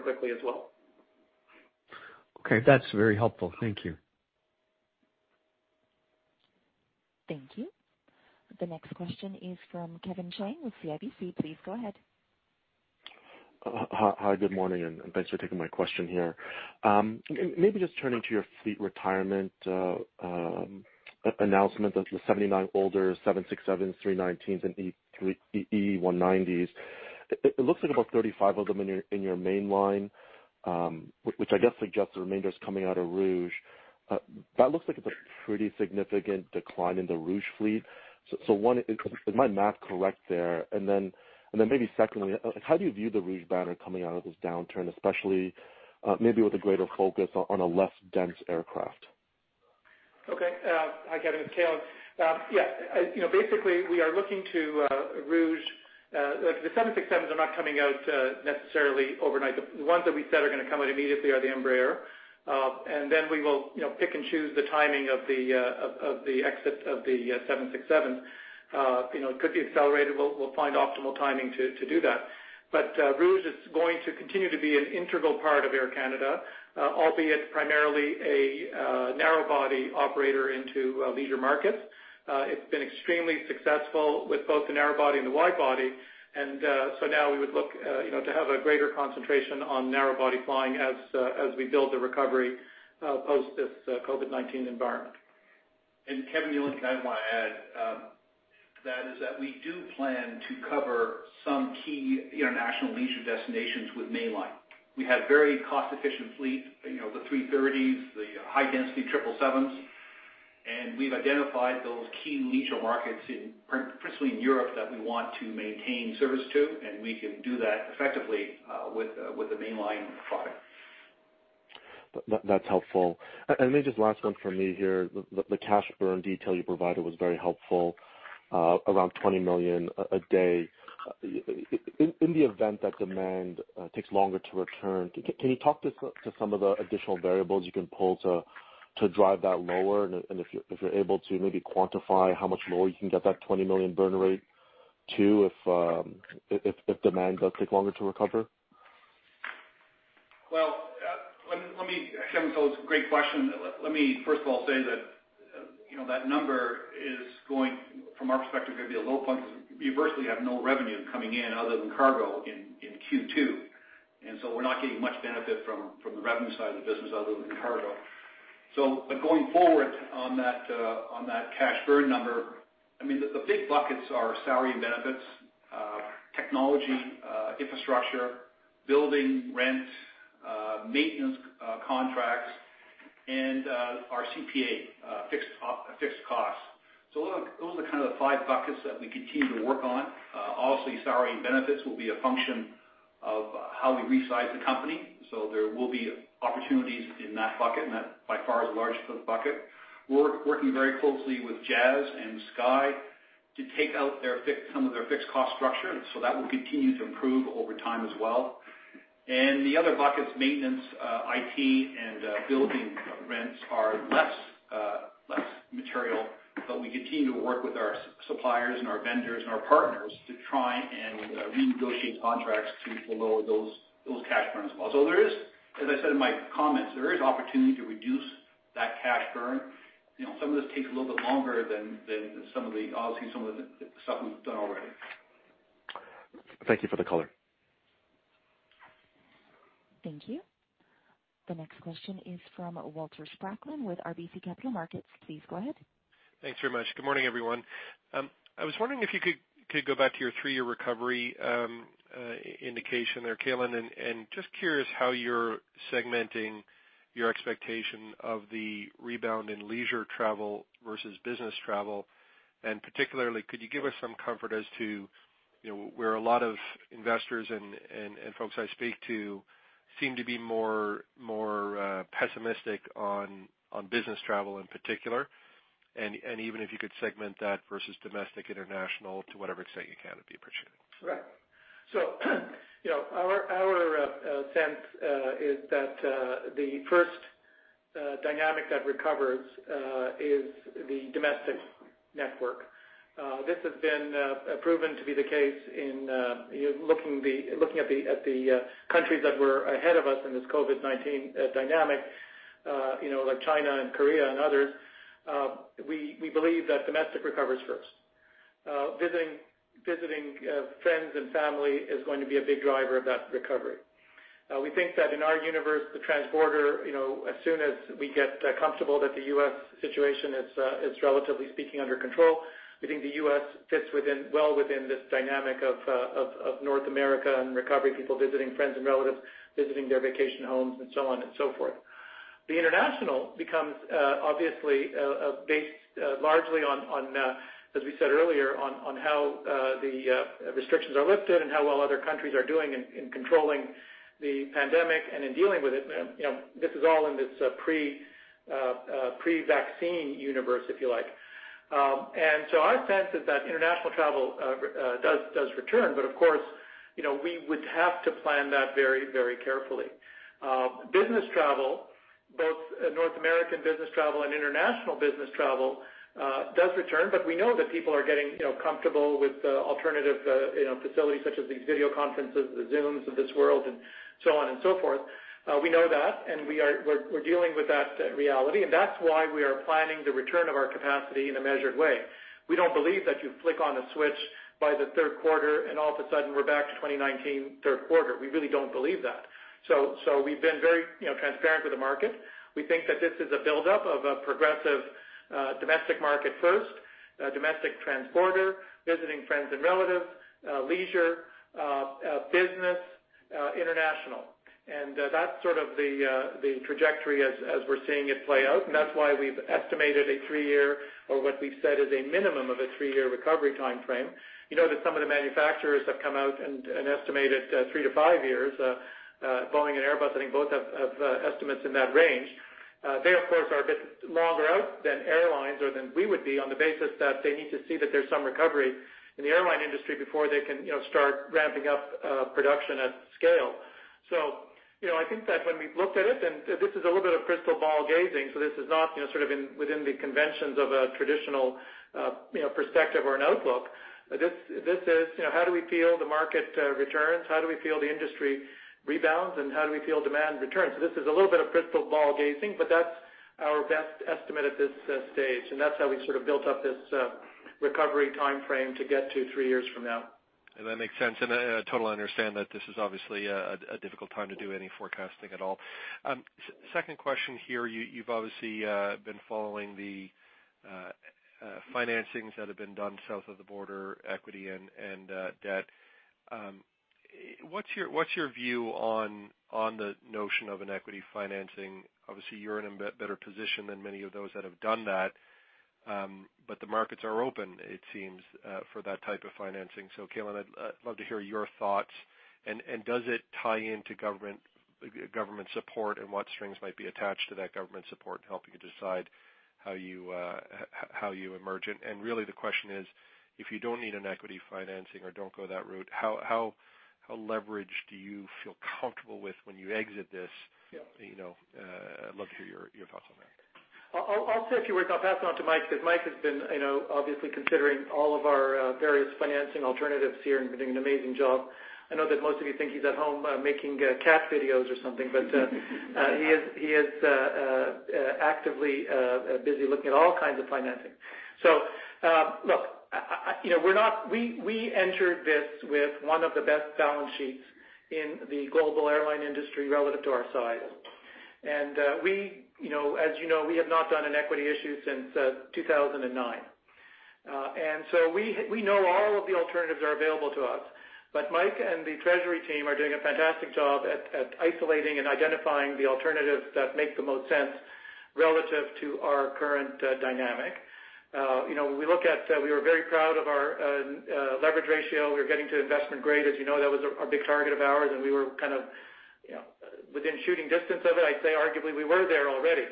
quickly as well. Okay. That's very helpful. Thank you. Thank you. The next question is from Kevin Chiang with CIBC. Please go ahead. Hi, good morning, and thanks for taking my question here. Turning to your fleet retirement announcement of the 79 older Boeing 767s, Airbus A319s, and Embraer E190s. It looks like about 35 of them in your mainline, which I guess suggests the remainder is coming out of Air Canada Rouge. That looks like it's a pretty significant decline in the Air Canada Rouge fleet. One, is my math correct there? Secondly, how do you view the Air Canada Rouge banner coming out of this downturn, especially maybe with a greater focus on a less dense aircraft? Okay. Hi, Kevin. It's Calin. Yeah. Basically, we are looking to Rouge. The 767s are not coming out necessarily overnight. The ones that we said are going to come out immediately are the Embraer. We will pick and choose the timing of the exit of the 767. It could be accelerated. We'll find optimal timing to do that. Rouge is going to continue to be an integral part of Air Canada, albeit primarily a narrow-body operator into leisure markets. It's been extremely successful with both the narrow body and the wide body. Now we would look to have a greater concentration on narrow-body flying as we build the recovery post this COVID-19 environment. Kevin, the only thing I want to add to that is that we do plan to cover some key international leisure destinations with mainline. We have very cost-efficient fleet, the 330s, the high density 777s, and we've identified those key leisure markets, principally in Europe, that we want to maintain service to, and we can do that effectively with the mainline product. That's helpful. Maybe just last one from me here, the cash burn detail you provided was very helpful, around 20 million a day. In the event that demand takes longer to return, can you talk to some of the additional variables you can pull to drive that lower? If you're able to maybe quantify how much lower you can get that 20 million burn rate to if demand does take longer to recover? Well, Kevin, it's a great question. Let me first of all say that number is going, from our perspective, going to be a low point because we virtually have no revenue coming in other than cargo in Q2. We're not getting much benefit from the revenue side of the business other than cargo. Going forward on that cash burn number, I mean, the big buckets are salary and benefits, technology, infrastructure, building rent, maintenance contracts, and our CPA fixed costs. Those are kind of the five buckets that we continue to work on. Obviously, salary and benefits will be a function of how we resize the company. There will be opportunities in that bucket, and that by far is the largest bucket. We're working very closely with Jazz and Sky to take out some of their fixed cost structure, so that will continue to improve over time as well. The other buckets, maintenance, IT, and building rents are less material, but we continue to work with our suppliers and our vendors and our partners to try and renegotiate contracts to lower those cash burns as well. There is, as I said in my comments, there is opportunity to reduce that cash burn. Some of this takes a little bit longer than obviously some of the stuff we've done already. Thank you for the color. Thank you. The next question is from Walter Spracklin with RBC Capital Markets. Please go ahead. Thanks very much. Good morning, everyone. I was wondering if you could go back to your three-year recovery indication there, Calin, and just curious how you're segmenting your expectation of the rebound in leisure travel versus business travel. Particularly, could you give us some comfort as to where a lot of investors and folks I speak to seem to be more pessimistic on business travel in particular? Even if you could segment that versus domestic, international to whatever extent you can, it'd be appreciated. Right. Our sense is that the first dynamic that recovers is the domestic network. This has been proven to be the case in looking at the countries that were ahead of us in this COVID-19 dynamic like China and Korea and others. We believe that domestic recovers first. Visiting friends and family is going to be a big driver of that recovery. We think that in our universe, the transborder, as soon as we get comfortable that the U.S. situation is, relatively speaking, under control, we think the U.S. fits well within this dynamic of North America and recovery, people visiting friends and relatives, visiting their vacation homes, and so on and so forth. The international becomes obviously based largely on, as we said earlier, on how the restrictions are lifted and how well other countries are doing in controlling the pandemic and in dealing with it. This is all in this pre-vaccine universe, if you like. Our sense is that international travel does return, but of course, we would have to plan that very carefully. Business travel, both North American business travel and international business travel, does return, but we know that people are getting comfortable with alternative facilities such as these video conferences, the Zooms of this world and so on and so forth. We know that, and we're dealing with that reality, and that's why we are planning the return of our capacity in a measured way. We don't believe that you flick on a switch by the third quarter and all of a sudden we're back to 2019 third quarter. We really don't believe that. We've been very transparent with the market. We think that this is a buildup of a progressive domestic market first, domestic transborder, visiting friends and relatives, leisure, business, international. That's sort of the trajectory as we're seeing it play out, and that's why we've estimated a three-year, or what we've said is a minimum of a three-year recovery timeframe. You know that some of the manufacturers have come out and estimated three to five years. Boeing and Airbus, I think both have estimates in that range. They, of course, are a bit longer out than airlines or than we would be on the basis that they need to see that there's some recovery in the airline industry before they can start ramping up production at scale. I think that when we've looked at it, and this is a little bit of crystal ball gazing, so this is not within the conventions of a traditional perspective or an outlook. This is how do we feel the market returns? How do we feel the industry rebounds, and how do we feel demand returns? This is a little bit of crystal ball gazing, but that's our best estimate at this stage, and that's how we sort of built up this recovery timeframe to get to three years from now. That makes sense. I totally understand that this is obviously a difficult time to do any forecasting at all. Second question here. You've obviously been following the financings that have been done south of the border, equity and debt. What's your view on the notion of an equity financing? Obviously, you're in a better position than many of those that have done that. The markets are open, it seems, for that type of financing. Calin, I'd love to hear your thoughts, and does it tie into government support and what strings might be attached to that government support in helping you decide how you emerge? Really the question is, if you don't need an equity financing or don't go that route, how leveraged do you feel comfortable with when you exit this? Yeah. I'd love to hear your thoughts on that. I'll say a few words, and I'll pass it on to Mike, because Mike has been, obviously considering all of our various financing alternatives here and doing an amazing job. I know that most of you think he's at home making cat videos or something, but he is actively busy looking at all kinds of financing. Look, we entered this with one of the best balance sheets in the global airline industry relative to our size. As you know, we have not done an equity issue since 2009. We know all of the alternatives are available to us, but Mike and the treasury team are doing a fantastic job at isolating and identifying the alternatives that make the most sense relative to our current dynamic. We were very proud of our leverage ratio. We were getting to investment grade. As you know, that was a big target of ours, and we were kind of within shooting distance of it. I'd say arguably we were there already.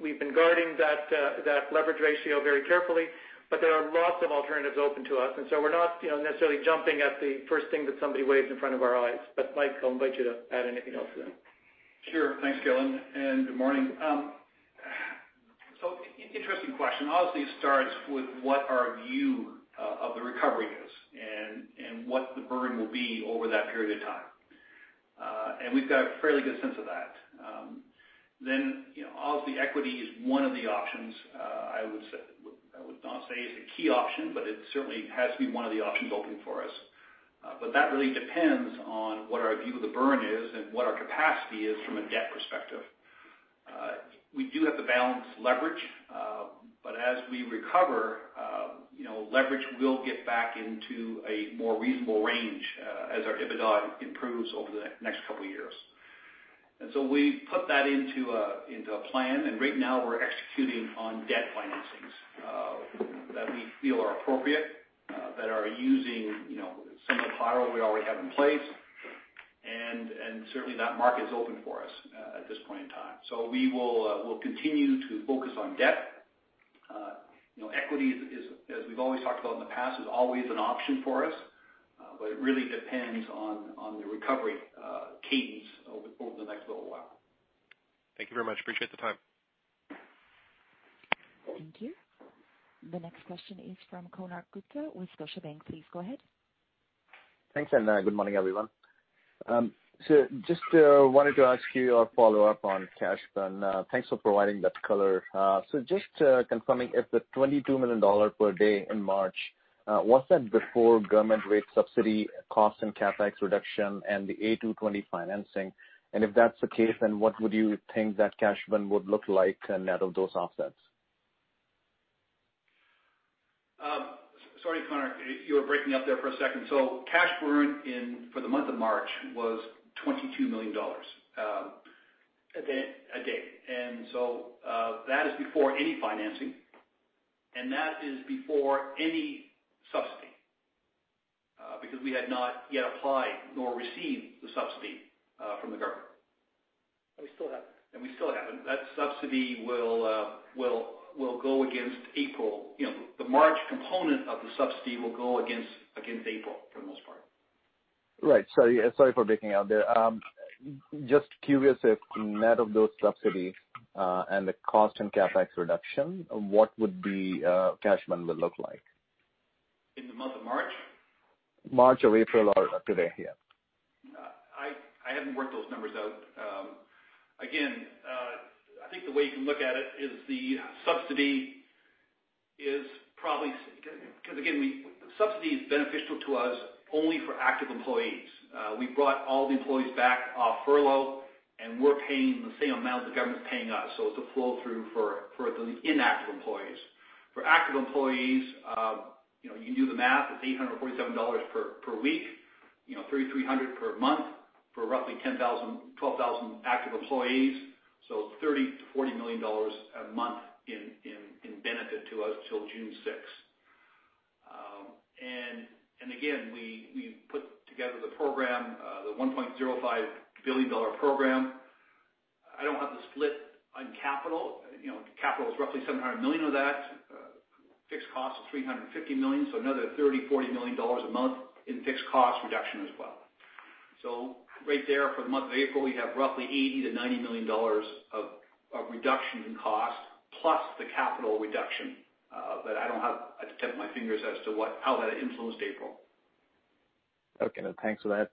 We've been guarding that leverage ratio very carefully, but there are lots of alternatives open to us, and so we're not necessarily jumping at the first thing that somebody waves in front of our eyes. Mike, I'll invite you to add anything else to that. Sure. Thanks, Calin, and good morning. Interesting question. Obviously, it starts with what our view of the recovery is and what the burn will be over that period of time. We've got a fairly good sense of that. Obviously equity is one of the options. I would not say it's a key option, but it certainly has to be one of the options open for us. That really depends on what our view of the burn is and what our capacity is from a debt perspective. We do have to balance leverage, but as we recover, leverage will get back into a more reasonable range as our EBITDA improves over the next couple of years. We put that into a plan, and right now we're executing on debt financings that we feel are appropriate, that are using some of the firewall we already have in place. Certainly that market is open for us at this point in time. We'll continue to focus on debt. Equity, as we've always talked about in the past, is always an option for us. It really depends on the recovery cadence over the next little while. Thank you very much. Appreciate the time. Thank you. The next question is from Konark Gupta with Scotiabank. Please go ahead. Thanks, and good morning, everyone. Just wanted to ask you a follow-up on cash burn. Thanks for providing that color. Just confirming if the 22 million dollar per day in March, was that before government rate subsidy costs and CapEx reduction and the A220 financing? If that's the case, then what would you think that cash burn would look like net of those offsets? Sorry, Konark, you were breaking up there for a second. Cash burn for the month of March was 22 million dollars. A day. a day. That is before any financing, and that is before any subsidy, because we had not yet applied nor received the subsidy from the government. We still haven't. We still haven't. That subsidy will go against April. The March component of the subsidy will go against April for the most part. Right. Sorry for breaking out there. Just curious if net of those subsidies and the cost and CapEx reduction, what would the cash burn would look like? In the month of March? March or April or to date. Yes. I haven't worked those numbers out. I think the way you can look at it is the subsidy is beneficial to us only for active employees. We brought all the employees back off furlough, and we're paying the same amount the government's paying us, so it's a flow-through for the inactive employees. For active employees, you do the math, it's 847 dollars per week, 3,300 per month for roughly 12,000 active employees, so 30 million-40 million dollars a month in benefit to us till June 6th. Again, we put together the program, the 1.05 billion dollar program. I don't have the split on capital. Capital is roughly 700 million of that. Fixed cost is 350 million, so another 30 million-40 million dollars a month in fixed cost reduction as well. Right there for the month of April, we have roughly 80 million-90 million dollars of reduction in cost plus the capital reduction. I don't have it at the tip of my fingers as to how that influenced April. Okay, thanks for that.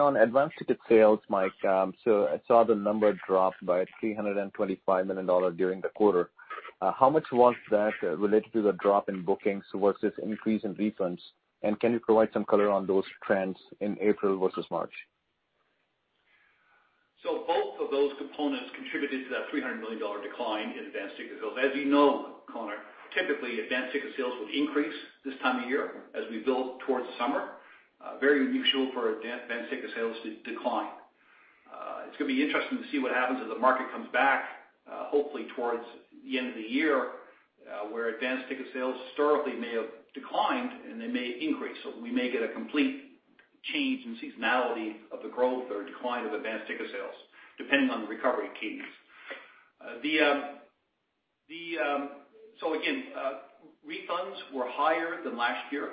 On advance ticket sales, Mike, I saw the number dropped by 325 million dollars during the quarter. How much was that related to the drop in bookings versus increase in refunds, and can you provide some color on those trends in April versus March? Both of those components contributed to that 300 million dollar decline in advance ticket sales. As you know, Konark, typically, advance ticket sales would increase this time of year as we build towards summer. Very unusual for advance ticket sales to decline. It's going to be interesting to see what happens as the market comes back, hopefully towards the end of the year, where advance ticket sales historically may have declined, and they may increase. We may get a complete change in seasonality of the growth or decline of advance ticket sales, depending on the recovery cadence. Again, refunds were higher than last year.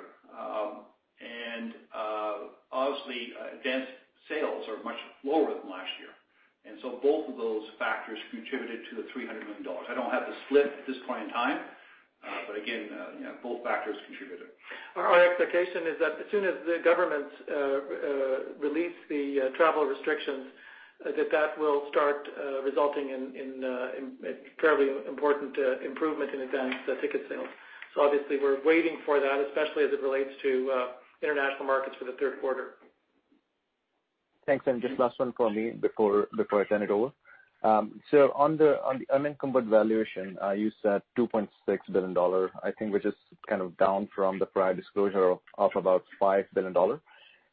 Obviously, advance sales are much lower than last year. Both of those factors contributed to the 300 million dollars. I don't have the split at this point in time. Again, both factors contributed. Our expectation is that as soon as the government release the travel restrictions, that will start resulting in a fairly important improvement in advance ticket sales. Obviously, we're waiting for that, especially as it relates to international markets for the third quarter. Thanks. Just last one for me before I turn it over. On the unencumbered valuation, you said 2.6 billion dollar, I think, which is kind of down from the prior disclosure of about 5 billion dollar.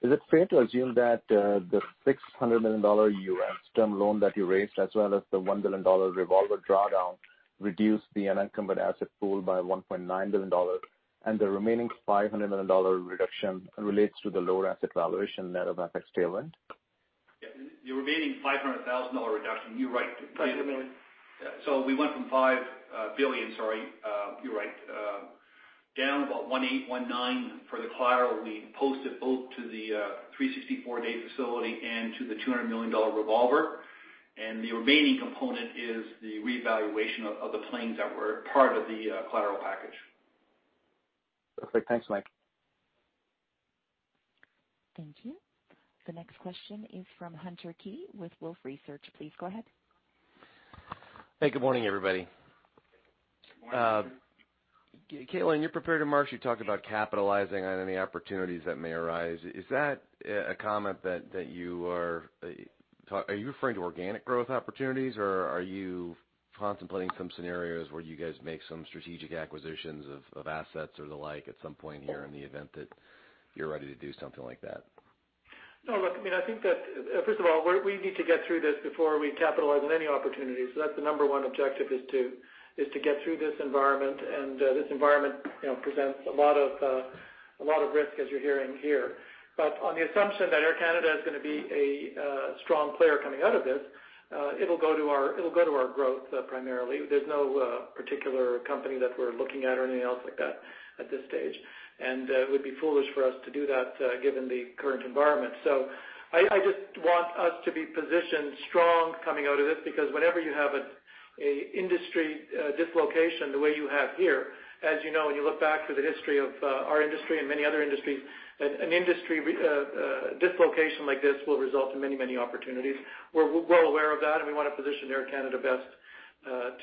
Is it fair to assume that the $600 million U.S. term loan that you raised as well as the 1 billion dollar revolver drawdown reduced the unencumbered asset pool by 1.9 billion dollars and the remaining 500 million dollar reduction relates to the lower asset valuation net of FX tailwind? Yeah. The remaining 500,000 dollar reduction, you're right- CAD 5 billion. We went from 5 billion, sorry, you're right, down about 1.8 billion-1.9 billion for the collateral we posted both to the 364-day facility and to the 200 million dollar revolver, and the remaining component is the revaluation of the planes that were part of the collateral package. Perfect. Thanks, Mike. Thank you. The next question is from Hunter Keay with Wolfe Research. Please go ahead. Hey, good morning, everybody. Good morning. Calin, in your prepared remarks, you talked about capitalizing on any opportunities that may arise. Is that a comment that Are you referring to organic growth opportunities, or are you contemplating some scenarios where you guys make some strategic acquisitions of assets or the like at some point here in the event that you're ready to do something like that? No, look, I think that, first of all, we need to get through this before we capitalize on any opportunities. That's the number one objective is to get through this environment, and this environment presents a lot of risk as you're hearing here. On the assumption that Air Canada is going to be a strong player coming out of this, it'll go to our growth primarily. There's no particular company that we're looking at or anything else like that at this stage, and it would be foolish for us to do that given the current environment. I just want us to be positioned strong coming out of this because whenever you have an industry dislocation the way you have here, as you know, when you look back through the history of our industry and many other industries, an industry dislocation like this will result in many, many opportunities. We're well aware of that, and we want to position Air Canada best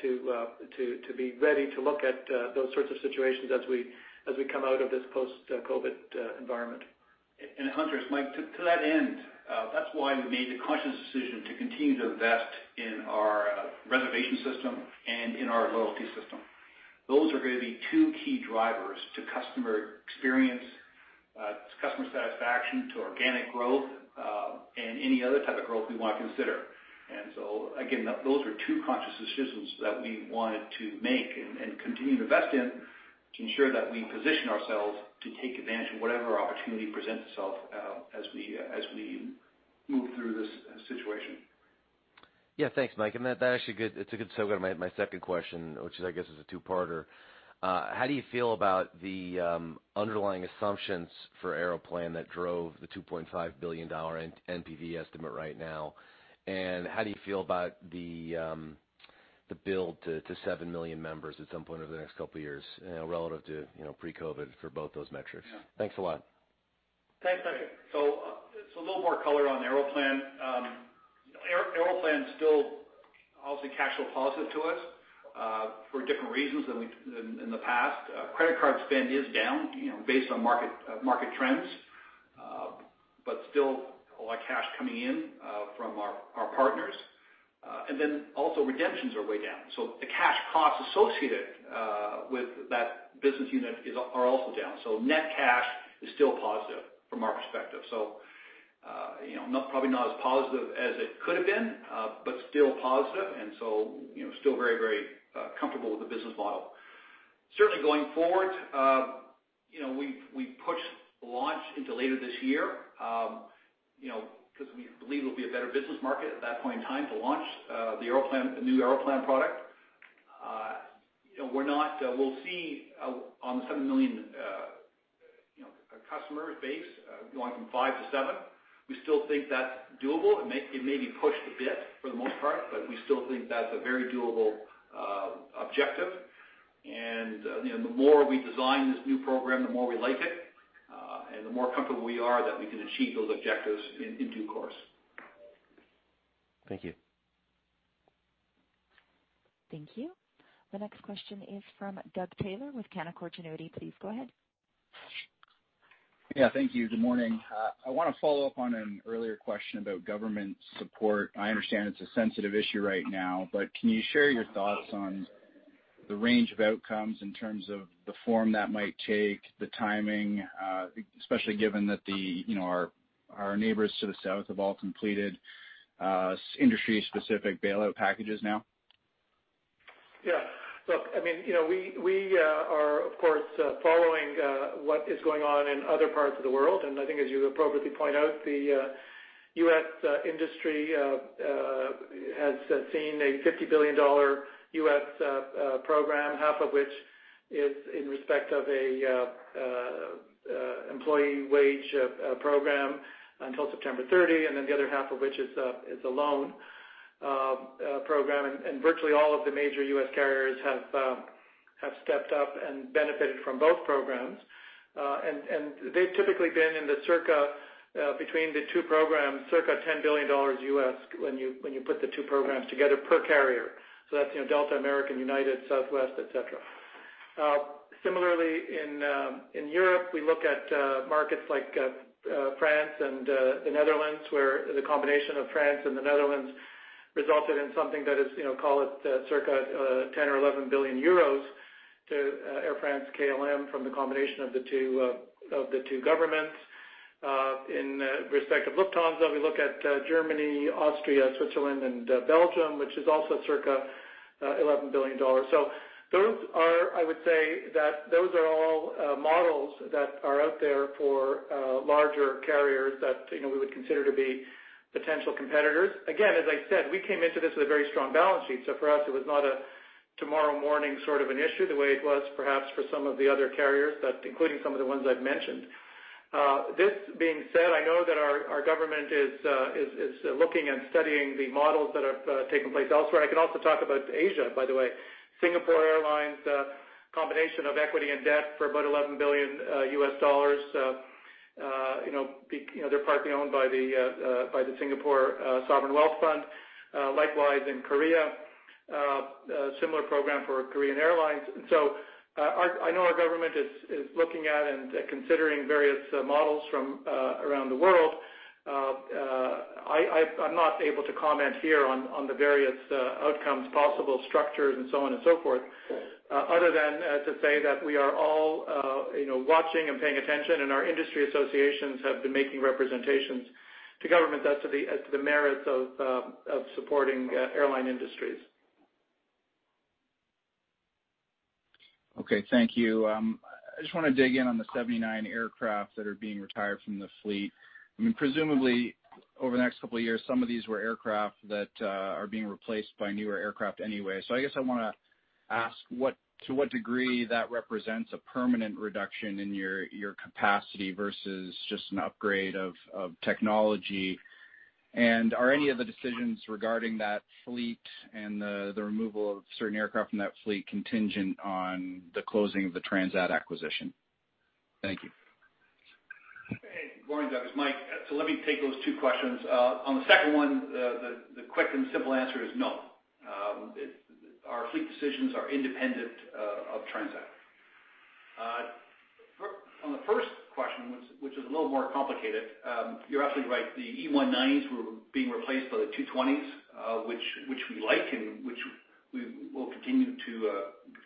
to be ready to look at those sorts of situations as we come out of this post-COVID environment. Hunter, it's Mike. To that end, that's why we made the conscious decision to continue to invest in our reservation system and in our loyalty system. Those are going to be two key drivers to customer experience, to customer satisfaction, to organic growth, and any other type of growth we want to consider. Again, those are two conscious decisions that we wanted to make and continue to invest in to ensure that we position ourselves to take advantage of whatever opportunity presents itself as we move through this situation. Yeah, thanks, Mike. That actually is a good segue to my second question, which I guess is a two-parter. How do you feel about the underlying assumptions for Aeroplan that drove the 2.5 billion dollar NPV estimate right now? How do you feel about the build to seven million members at some point over the next couple of years, relative to pre-COVID for both those metrics. Yeah. Thanks a lot. Thanks, Mike. A little more color on Aeroplan. Aeroplan's still obviously cash flow positive to us for different reasons than in the past. Credit card spend is down based on market trends, but still a lot of cash coming in from our partners. Also redemptions are way down. The cash costs associated with that business unit are also down. Net cash is still positive from our perspective. Probably not as positive as it could've been, but still positive and so still very comfortable with the business model. Certainly going forward, we pushed the launch into later this year, because we believe it'll be a better business market at that point in time to launch the new Aeroplan product. We'll see on the 7 million customer base, going from five to seven, we still think that's doable. It may be pushed a bit for the most part, but we still think that's a very doable objective. The more we design this new program, the more we like it, and the more comfortable we are that we can achieve those objectives in due course. Thank you. Thank you. The next question is from Doug Taylor with Canaccord Genuity. Please go ahead. Yeah, thank you. Good morning. I want to follow up on an earlier question about government support. I understand it's a sensitive issue right now, can you share your thoughts on the range of outcomes in terms of the form that might take, the timing, especially given that our neighbors to the south have all completed industry-specific bailout packages now? Yeah. Look, we are, of course, following what is going on in other parts of the world, and I think as you appropriately point out, the U.S. industry has seen a $50 billion U.S. program, half of which is in respect of an employee wage program until September 30, and then the other half of which is a loan program, and virtually all of the major U.S. carriers have stepped up and benefited from both programs. They've typically been between the two programs, circa $10 billion U.S. when you put the two programs together per carrier. That's Delta, American, United, Southwest, et cetera. Similarly, in Europe, we look at markets like France and the Netherlands, where the combination of France and the Netherlands resulted in something that is call it circa 10 billion or 11 billion euros to Air France-KLM from the combination of the two governments. In respect of Lufthansa, we look at Germany, Austria, Switzerland, and Belgium, which is also circa EUR 11 billion. I would say that those are all models that are out there for larger carriers that we would consider to be potential competitors. Again, as I said, we came into this with a very strong balance sheet, so for us, it was not a tomorrow morning sort of an issue the way it was perhaps for some of the other carriers, including some of the ones I've mentioned. This being said, I know that our government is looking and studying the models that have taken place elsewhere. I can also talk about Asia, by the way. Singapore Airlines, a combination of equity and debt for about $11 billion. They're partly owned by the Singapore sovereign wealth fund. Likewise, in Korea, a similar program for Korean Air. I know our government is looking at and considering various models from around the world. I'm not able to comment here on the various outcomes, possible structures, and so on and so forth, other than to say that we are all watching and paying attention, and our industry associations have been making representations to governments as to the merits of supporting airline industries. Okay, thank you. I just want to dig in on the 79 aircraft that are being retired from the fleet. Presumably, over the next couple of years, some of these were aircraft that are being replaced by newer aircraft anyway. I guess I want to ask to what degree that represents a permanent reduction in your capacity versus just an upgrade of technology. Are any of the decisions regarding that fleet and the removal of certain aircraft from that fleet contingent on the closing of the Transat acquisition? Thank you. Hey, good morning, Doug, it's Mike. Let me take those two questions. On the second one, the quick and simple answer is no. Our fleet decisions are independent of Transat. On the first question, which is a little more complicated, you're absolutely right. The E190s were being replaced by the 220s, which we like and which will continue to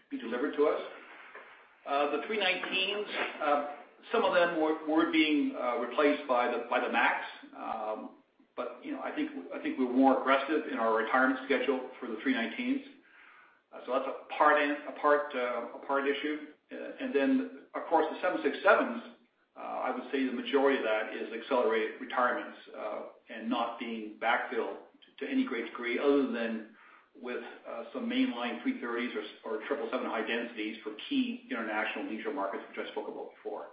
be delivered to us. The 319s, some of them were being replaced by the MAX. I think we're more aggressive in our retirement schedule for the 319s. That's a part issue. Of course, the 767s, I would say the majority of that is accelerated retirements, and not being backfilled to any great degree other than with some mainline 330s or 777 high densities for key international leisure markets, which I spoke about before.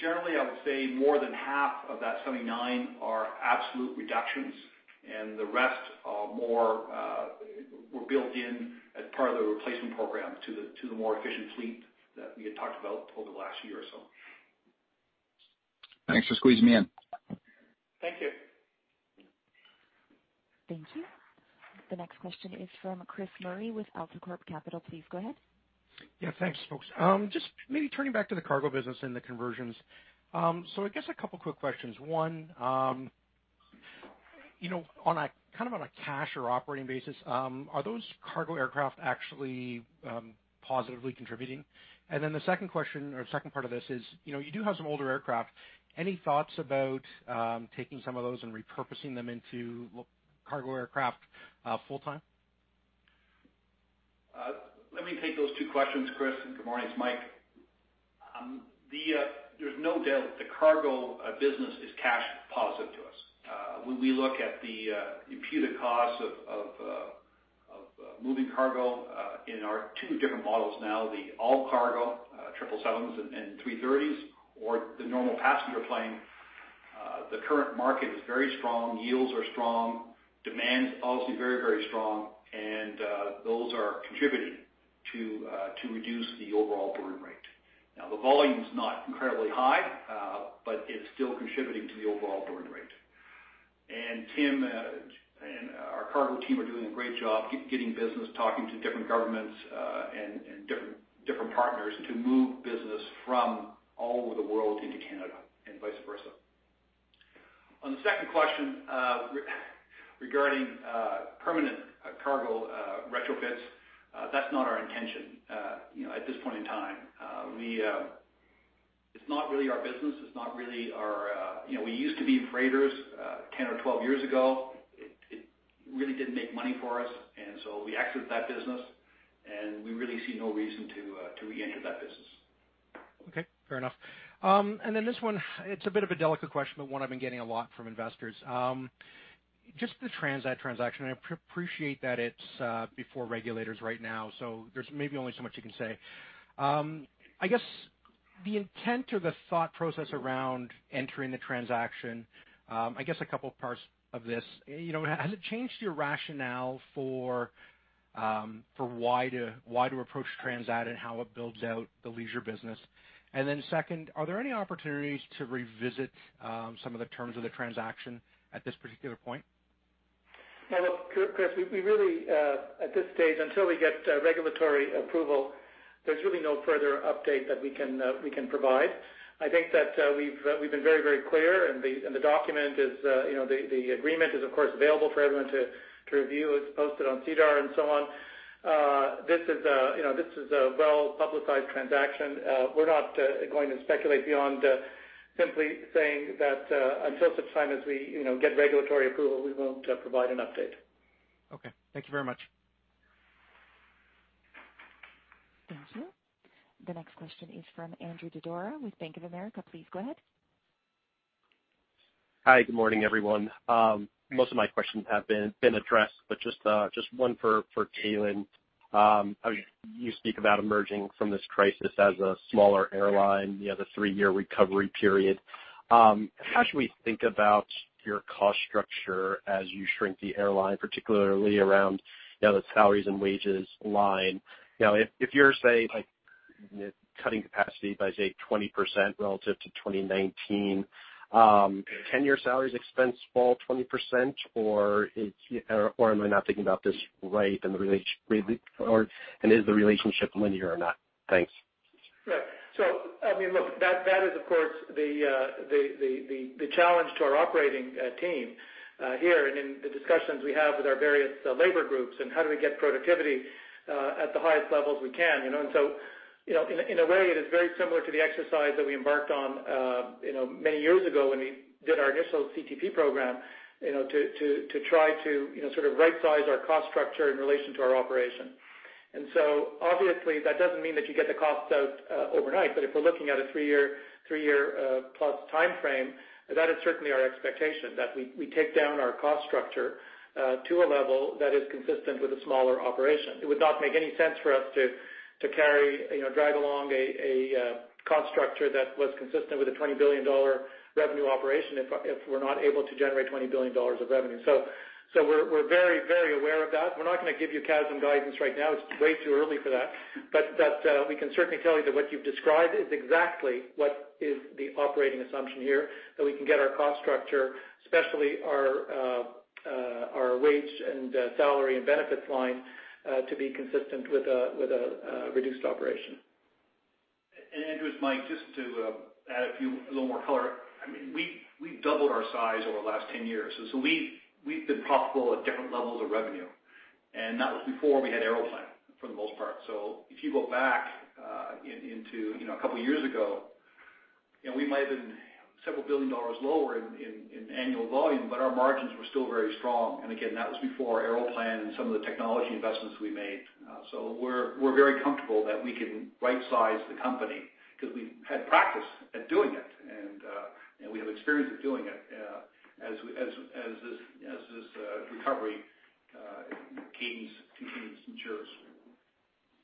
Generally, I would say more than half of that 79 are absolute reductions, and the rest were built in as part of the replacement program to the more efficient fleet that we had talked about over the last year or so. Thanks for squeezing me in. Thank you. Thank you. The next question is from Chris Murray with AltaCorp Capital. Please go ahead. Yeah, thanks, folks. Just maybe turning back to the cargo business and the conversions. I guess a couple quick questions. One, on a cash or operating basis, are those cargo aircraft actually positively contributing? The second question, or second part of this is, you do have some older aircraft. Any thoughts about taking some of those and repurposing them into cargo aircraft full-time? Let me take those two questions, Chris. Good morning, it's Mike. There's no doubt that the cargo business is cash positive to us. When we look at the imputed costs of moving cargo in our two different models now, the all-cargo 777s and 330s, or the normal passenger plane, the current market is very strong. Yields are strong. Demand is obviously very strong. Those are contributing to reduce the overall burn rate. Now, the volume's not incredibly high, but it's still contributing to the overall burn rate. Tim and our cargo team are doing a great job getting business, talking to different governments and different partners to move business from all over the world into Canada and vice versa. On the second question regarding permanent cargo retrofits, that's not our intention at this point in time. It's not really our business. We used to be freighters 10 or 12 years ago. It really didn't make money for us, and so we exited that business, and we really see no reason to reenter that business. Okay, fair enough. This one, it's a bit of a delicate question, but one I've been getting a lot from investors. Just the Transat transaction, I appreciate that it's before regulators right now, so there's maybe only so much you can say. I guess the intent or the thought process around entering the transaction, I guess a couple of parts of this. Has it changed your rationale for why to approach Transat and how it builds out the leisure business? Second, are there any opportunities to revisit some of the terms of the transaction at this particular point? Now look, Chris, at this stage, until we get regulatory approval, there's really no further update that we can provide. I think that we've been very clear, and the agreement is, of course, available for everyone to review. It's posted on SEDAR and so on. This is a well-publicized transaction. We're not going to speculate beyond simply saying that until such time as we get regulatory approval, we will provide an update. Okay. Thank you very much. Thank you. The next question is from Andrew Didora with Bank of America. Please go ahead. Hi. Good morning, everyone. Most of my questions have been addressed, but just one for Calin. You speak about emerging from this crisis as a smaller airline, the three-year recovery period. How should we think about your cost structure as you shrink the airline, particularly around the salaries and wages line? If you're, say, cutting capacity by, say, 20% relative to 2019, can your salaries expense fall 20%, or am I not thinking about this right? Is the relationship linear or not? Thanks. Right. Look, that is, of course, the challenge to our operating team here and in the discussions we have with our various labor groups and how do we get productivity at the highest levels we can. In a way, it is very similar to the exercise that we embarked on many years ago when we did our initial CTP program, to try to right-size our cost structure in relation to our operation. Obviously, that doesn't mean that you get the costs out overnight. If we're looking at a three-year plus timeframe, that is certainly our expectation, that we take down our cost structure to a level that is consistent with a smaller operation. It would not make any sense for us to drag along a cost structure that was consistent with a 20 billion dollar revenue operation if we're not able to generate 20 billion dollars of revenue. We're very aware of that. We're not going to give you CASM guidance right now. It's way too early for that. We can certainly tell you that what you've described is exactly what is the operating assumption here, that we can get our cost structure, especially our wage and salary and benefits line, to be consistent with a reduced operation. Andrew, it's Mike. Just to add a little more color. We doubled our size over the last 10 years. We've been profitable at different levels of revenue. That was before we had Aeroplan for the most part. If you go back into a couple of years ago, we might have been several billion dollars lower in annual volume, but our margins were still very strong. Again, that was before Aeroplan and some of the technology investments we made. We're very comfortable that we can right-size the company because we've had practice at doing it. We have experience with doing it as this recovery continues to.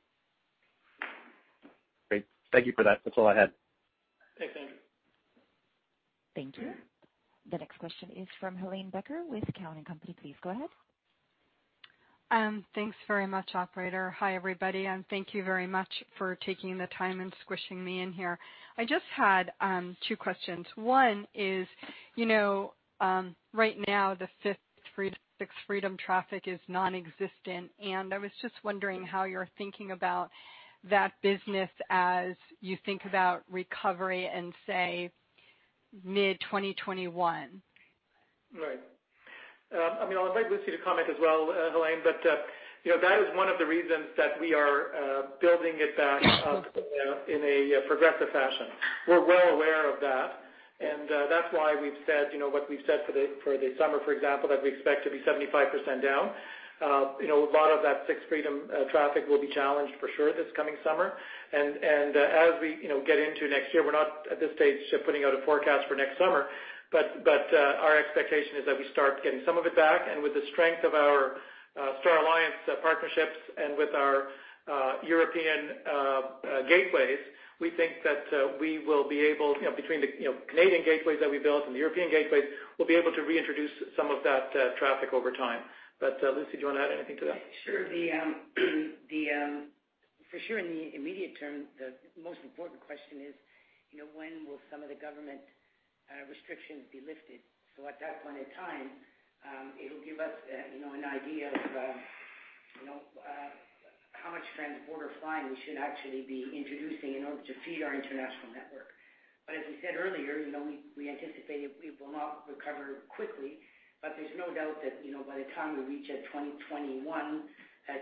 Great. Thank you for that. That's all I had. Okay, thank you. Thank you. The next question is from Helane Becker with Cowen and Company. Please go ahead. Thanks very much, operator. Hi, everybody. Thank you very much for taking the time and squishing me in here. I just had two questions. One is, right now the fifth freedom, sixth freedom traffic is nonexistent. I was just wondering how you're thinking about that business as you think about recovery in, say, mid 2021. Right. I'll invite Lucie to comment as well, Helane, but that is one of the reasons that we are building it back up in a progressive fashion. We're well aware of that, and that's why we've said what we've said for the summer, for example, that we expect to be 75% down. A lot of that sixth freedom traffic will be challenged for sure this coming summer. As we get into next year, we're not at this stage putting out a forecast for next summer, but our expectation is that we start getting some of it back. With the strength of our Star Alliance partnerships and with our European gateways, we think that we will be able, between the Canadian gateways that we built and the European gateways, we'll be able to reintroduce some of that traffic over time. Lucie, do you want to add anything to that? Sure. For sure, in the immediate term, the most important question is when will some of the government restrictions be lifted? At that point in time, it'll give us an idea of how much transborder flying we should actually be introducing in order to feed our international network. As we said earlier, we anticipate it will not recover quickly. There's no doubt that, by the time we reach that 2021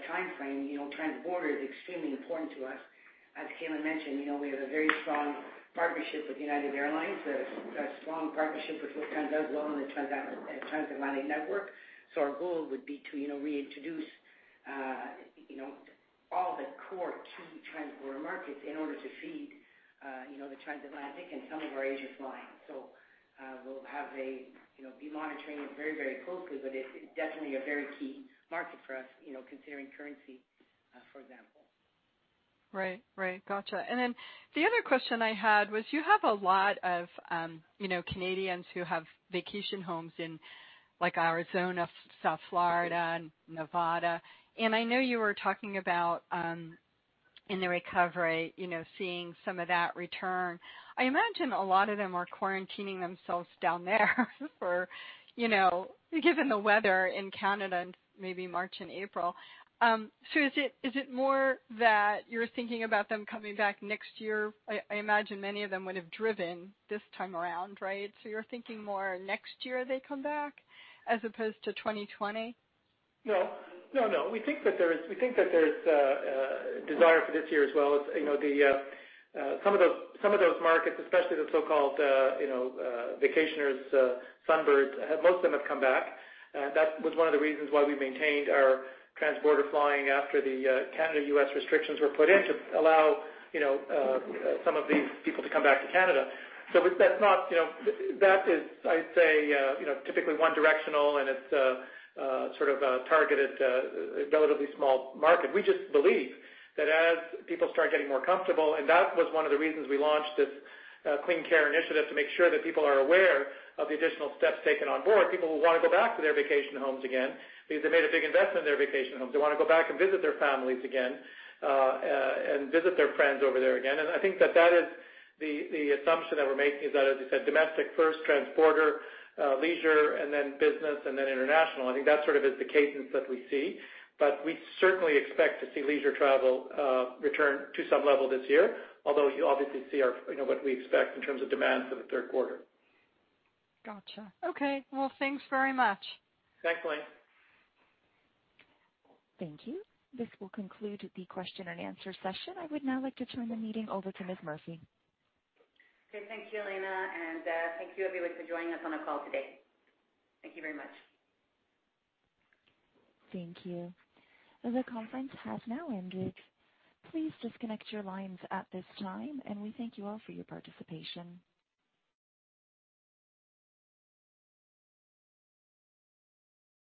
timeframe, transborder is extremely important to us. As Calin mentioned, we have a very strong partnership with United Airlines, a strong partnership with Lufthansa as well on the transatlantic network. Our goal would be to reintroduce all the core key transborder markets in order to feed the transatlantic and some of our Asia flying. We'll be monitoring it very closely, but it's definitely a very key market for us considering currency, for example. Right. Got you. The other question I had was, you have a lot of Canadians who have vacation homes in like Arizona, South Florida, and Nevada. I know you were talking about in the recovery, seeing some of that return. I imagine a lot of them are quarantining themselves down there given the weather in Canada in maybe March and April. Is it more that you're thinking about them coming back next year? I imagine many of them would have driven this time around, right? You're thinking more next year they come back as opposed to 2020? No, we think that there's desire for this year as well. Some of those markets, especially the so-called vacationers, sunbirds, most of them have come back. That was one of the reasons why we maintained our transborder flying after the Canada-U.S. restrictions were put in to allow some of these people to come back to Canada. That is, I'd say, typically one directional and it's sort of a targeted, relatively small market. We just believe that as people start getting more comfortable, and that was one of the reasons we launched this CleanCare+ initiative to make sure that people are aware of the additional steps taken on board. People will want to go back to their vacation homes again because they made a big investment in their vacation homes. They want to go back and visit their families again and visit their friends over there again. I think that is the assumption that we're making, is that, as you said, domestic first, transborder, leisure, and then business, and then international. I think that sort of is the cadence that we see. We certainly expect to see leisure travel return to some level this year, although you obviously see what we expect in terms of demand for the third quarter. Got you. Okay. Well, thanks very much. Thanks, Helane. Thank you. This will conclude the question and answer session. I would now like to turn the meeting over to Ms. Murphy. Okay. Thank you, Helane. Thank you, everybody, for joining us on the call today. Thank you very much. Thank you. The conference has now ended. Please disconnect your lines at this time, and we thank you all for your participation.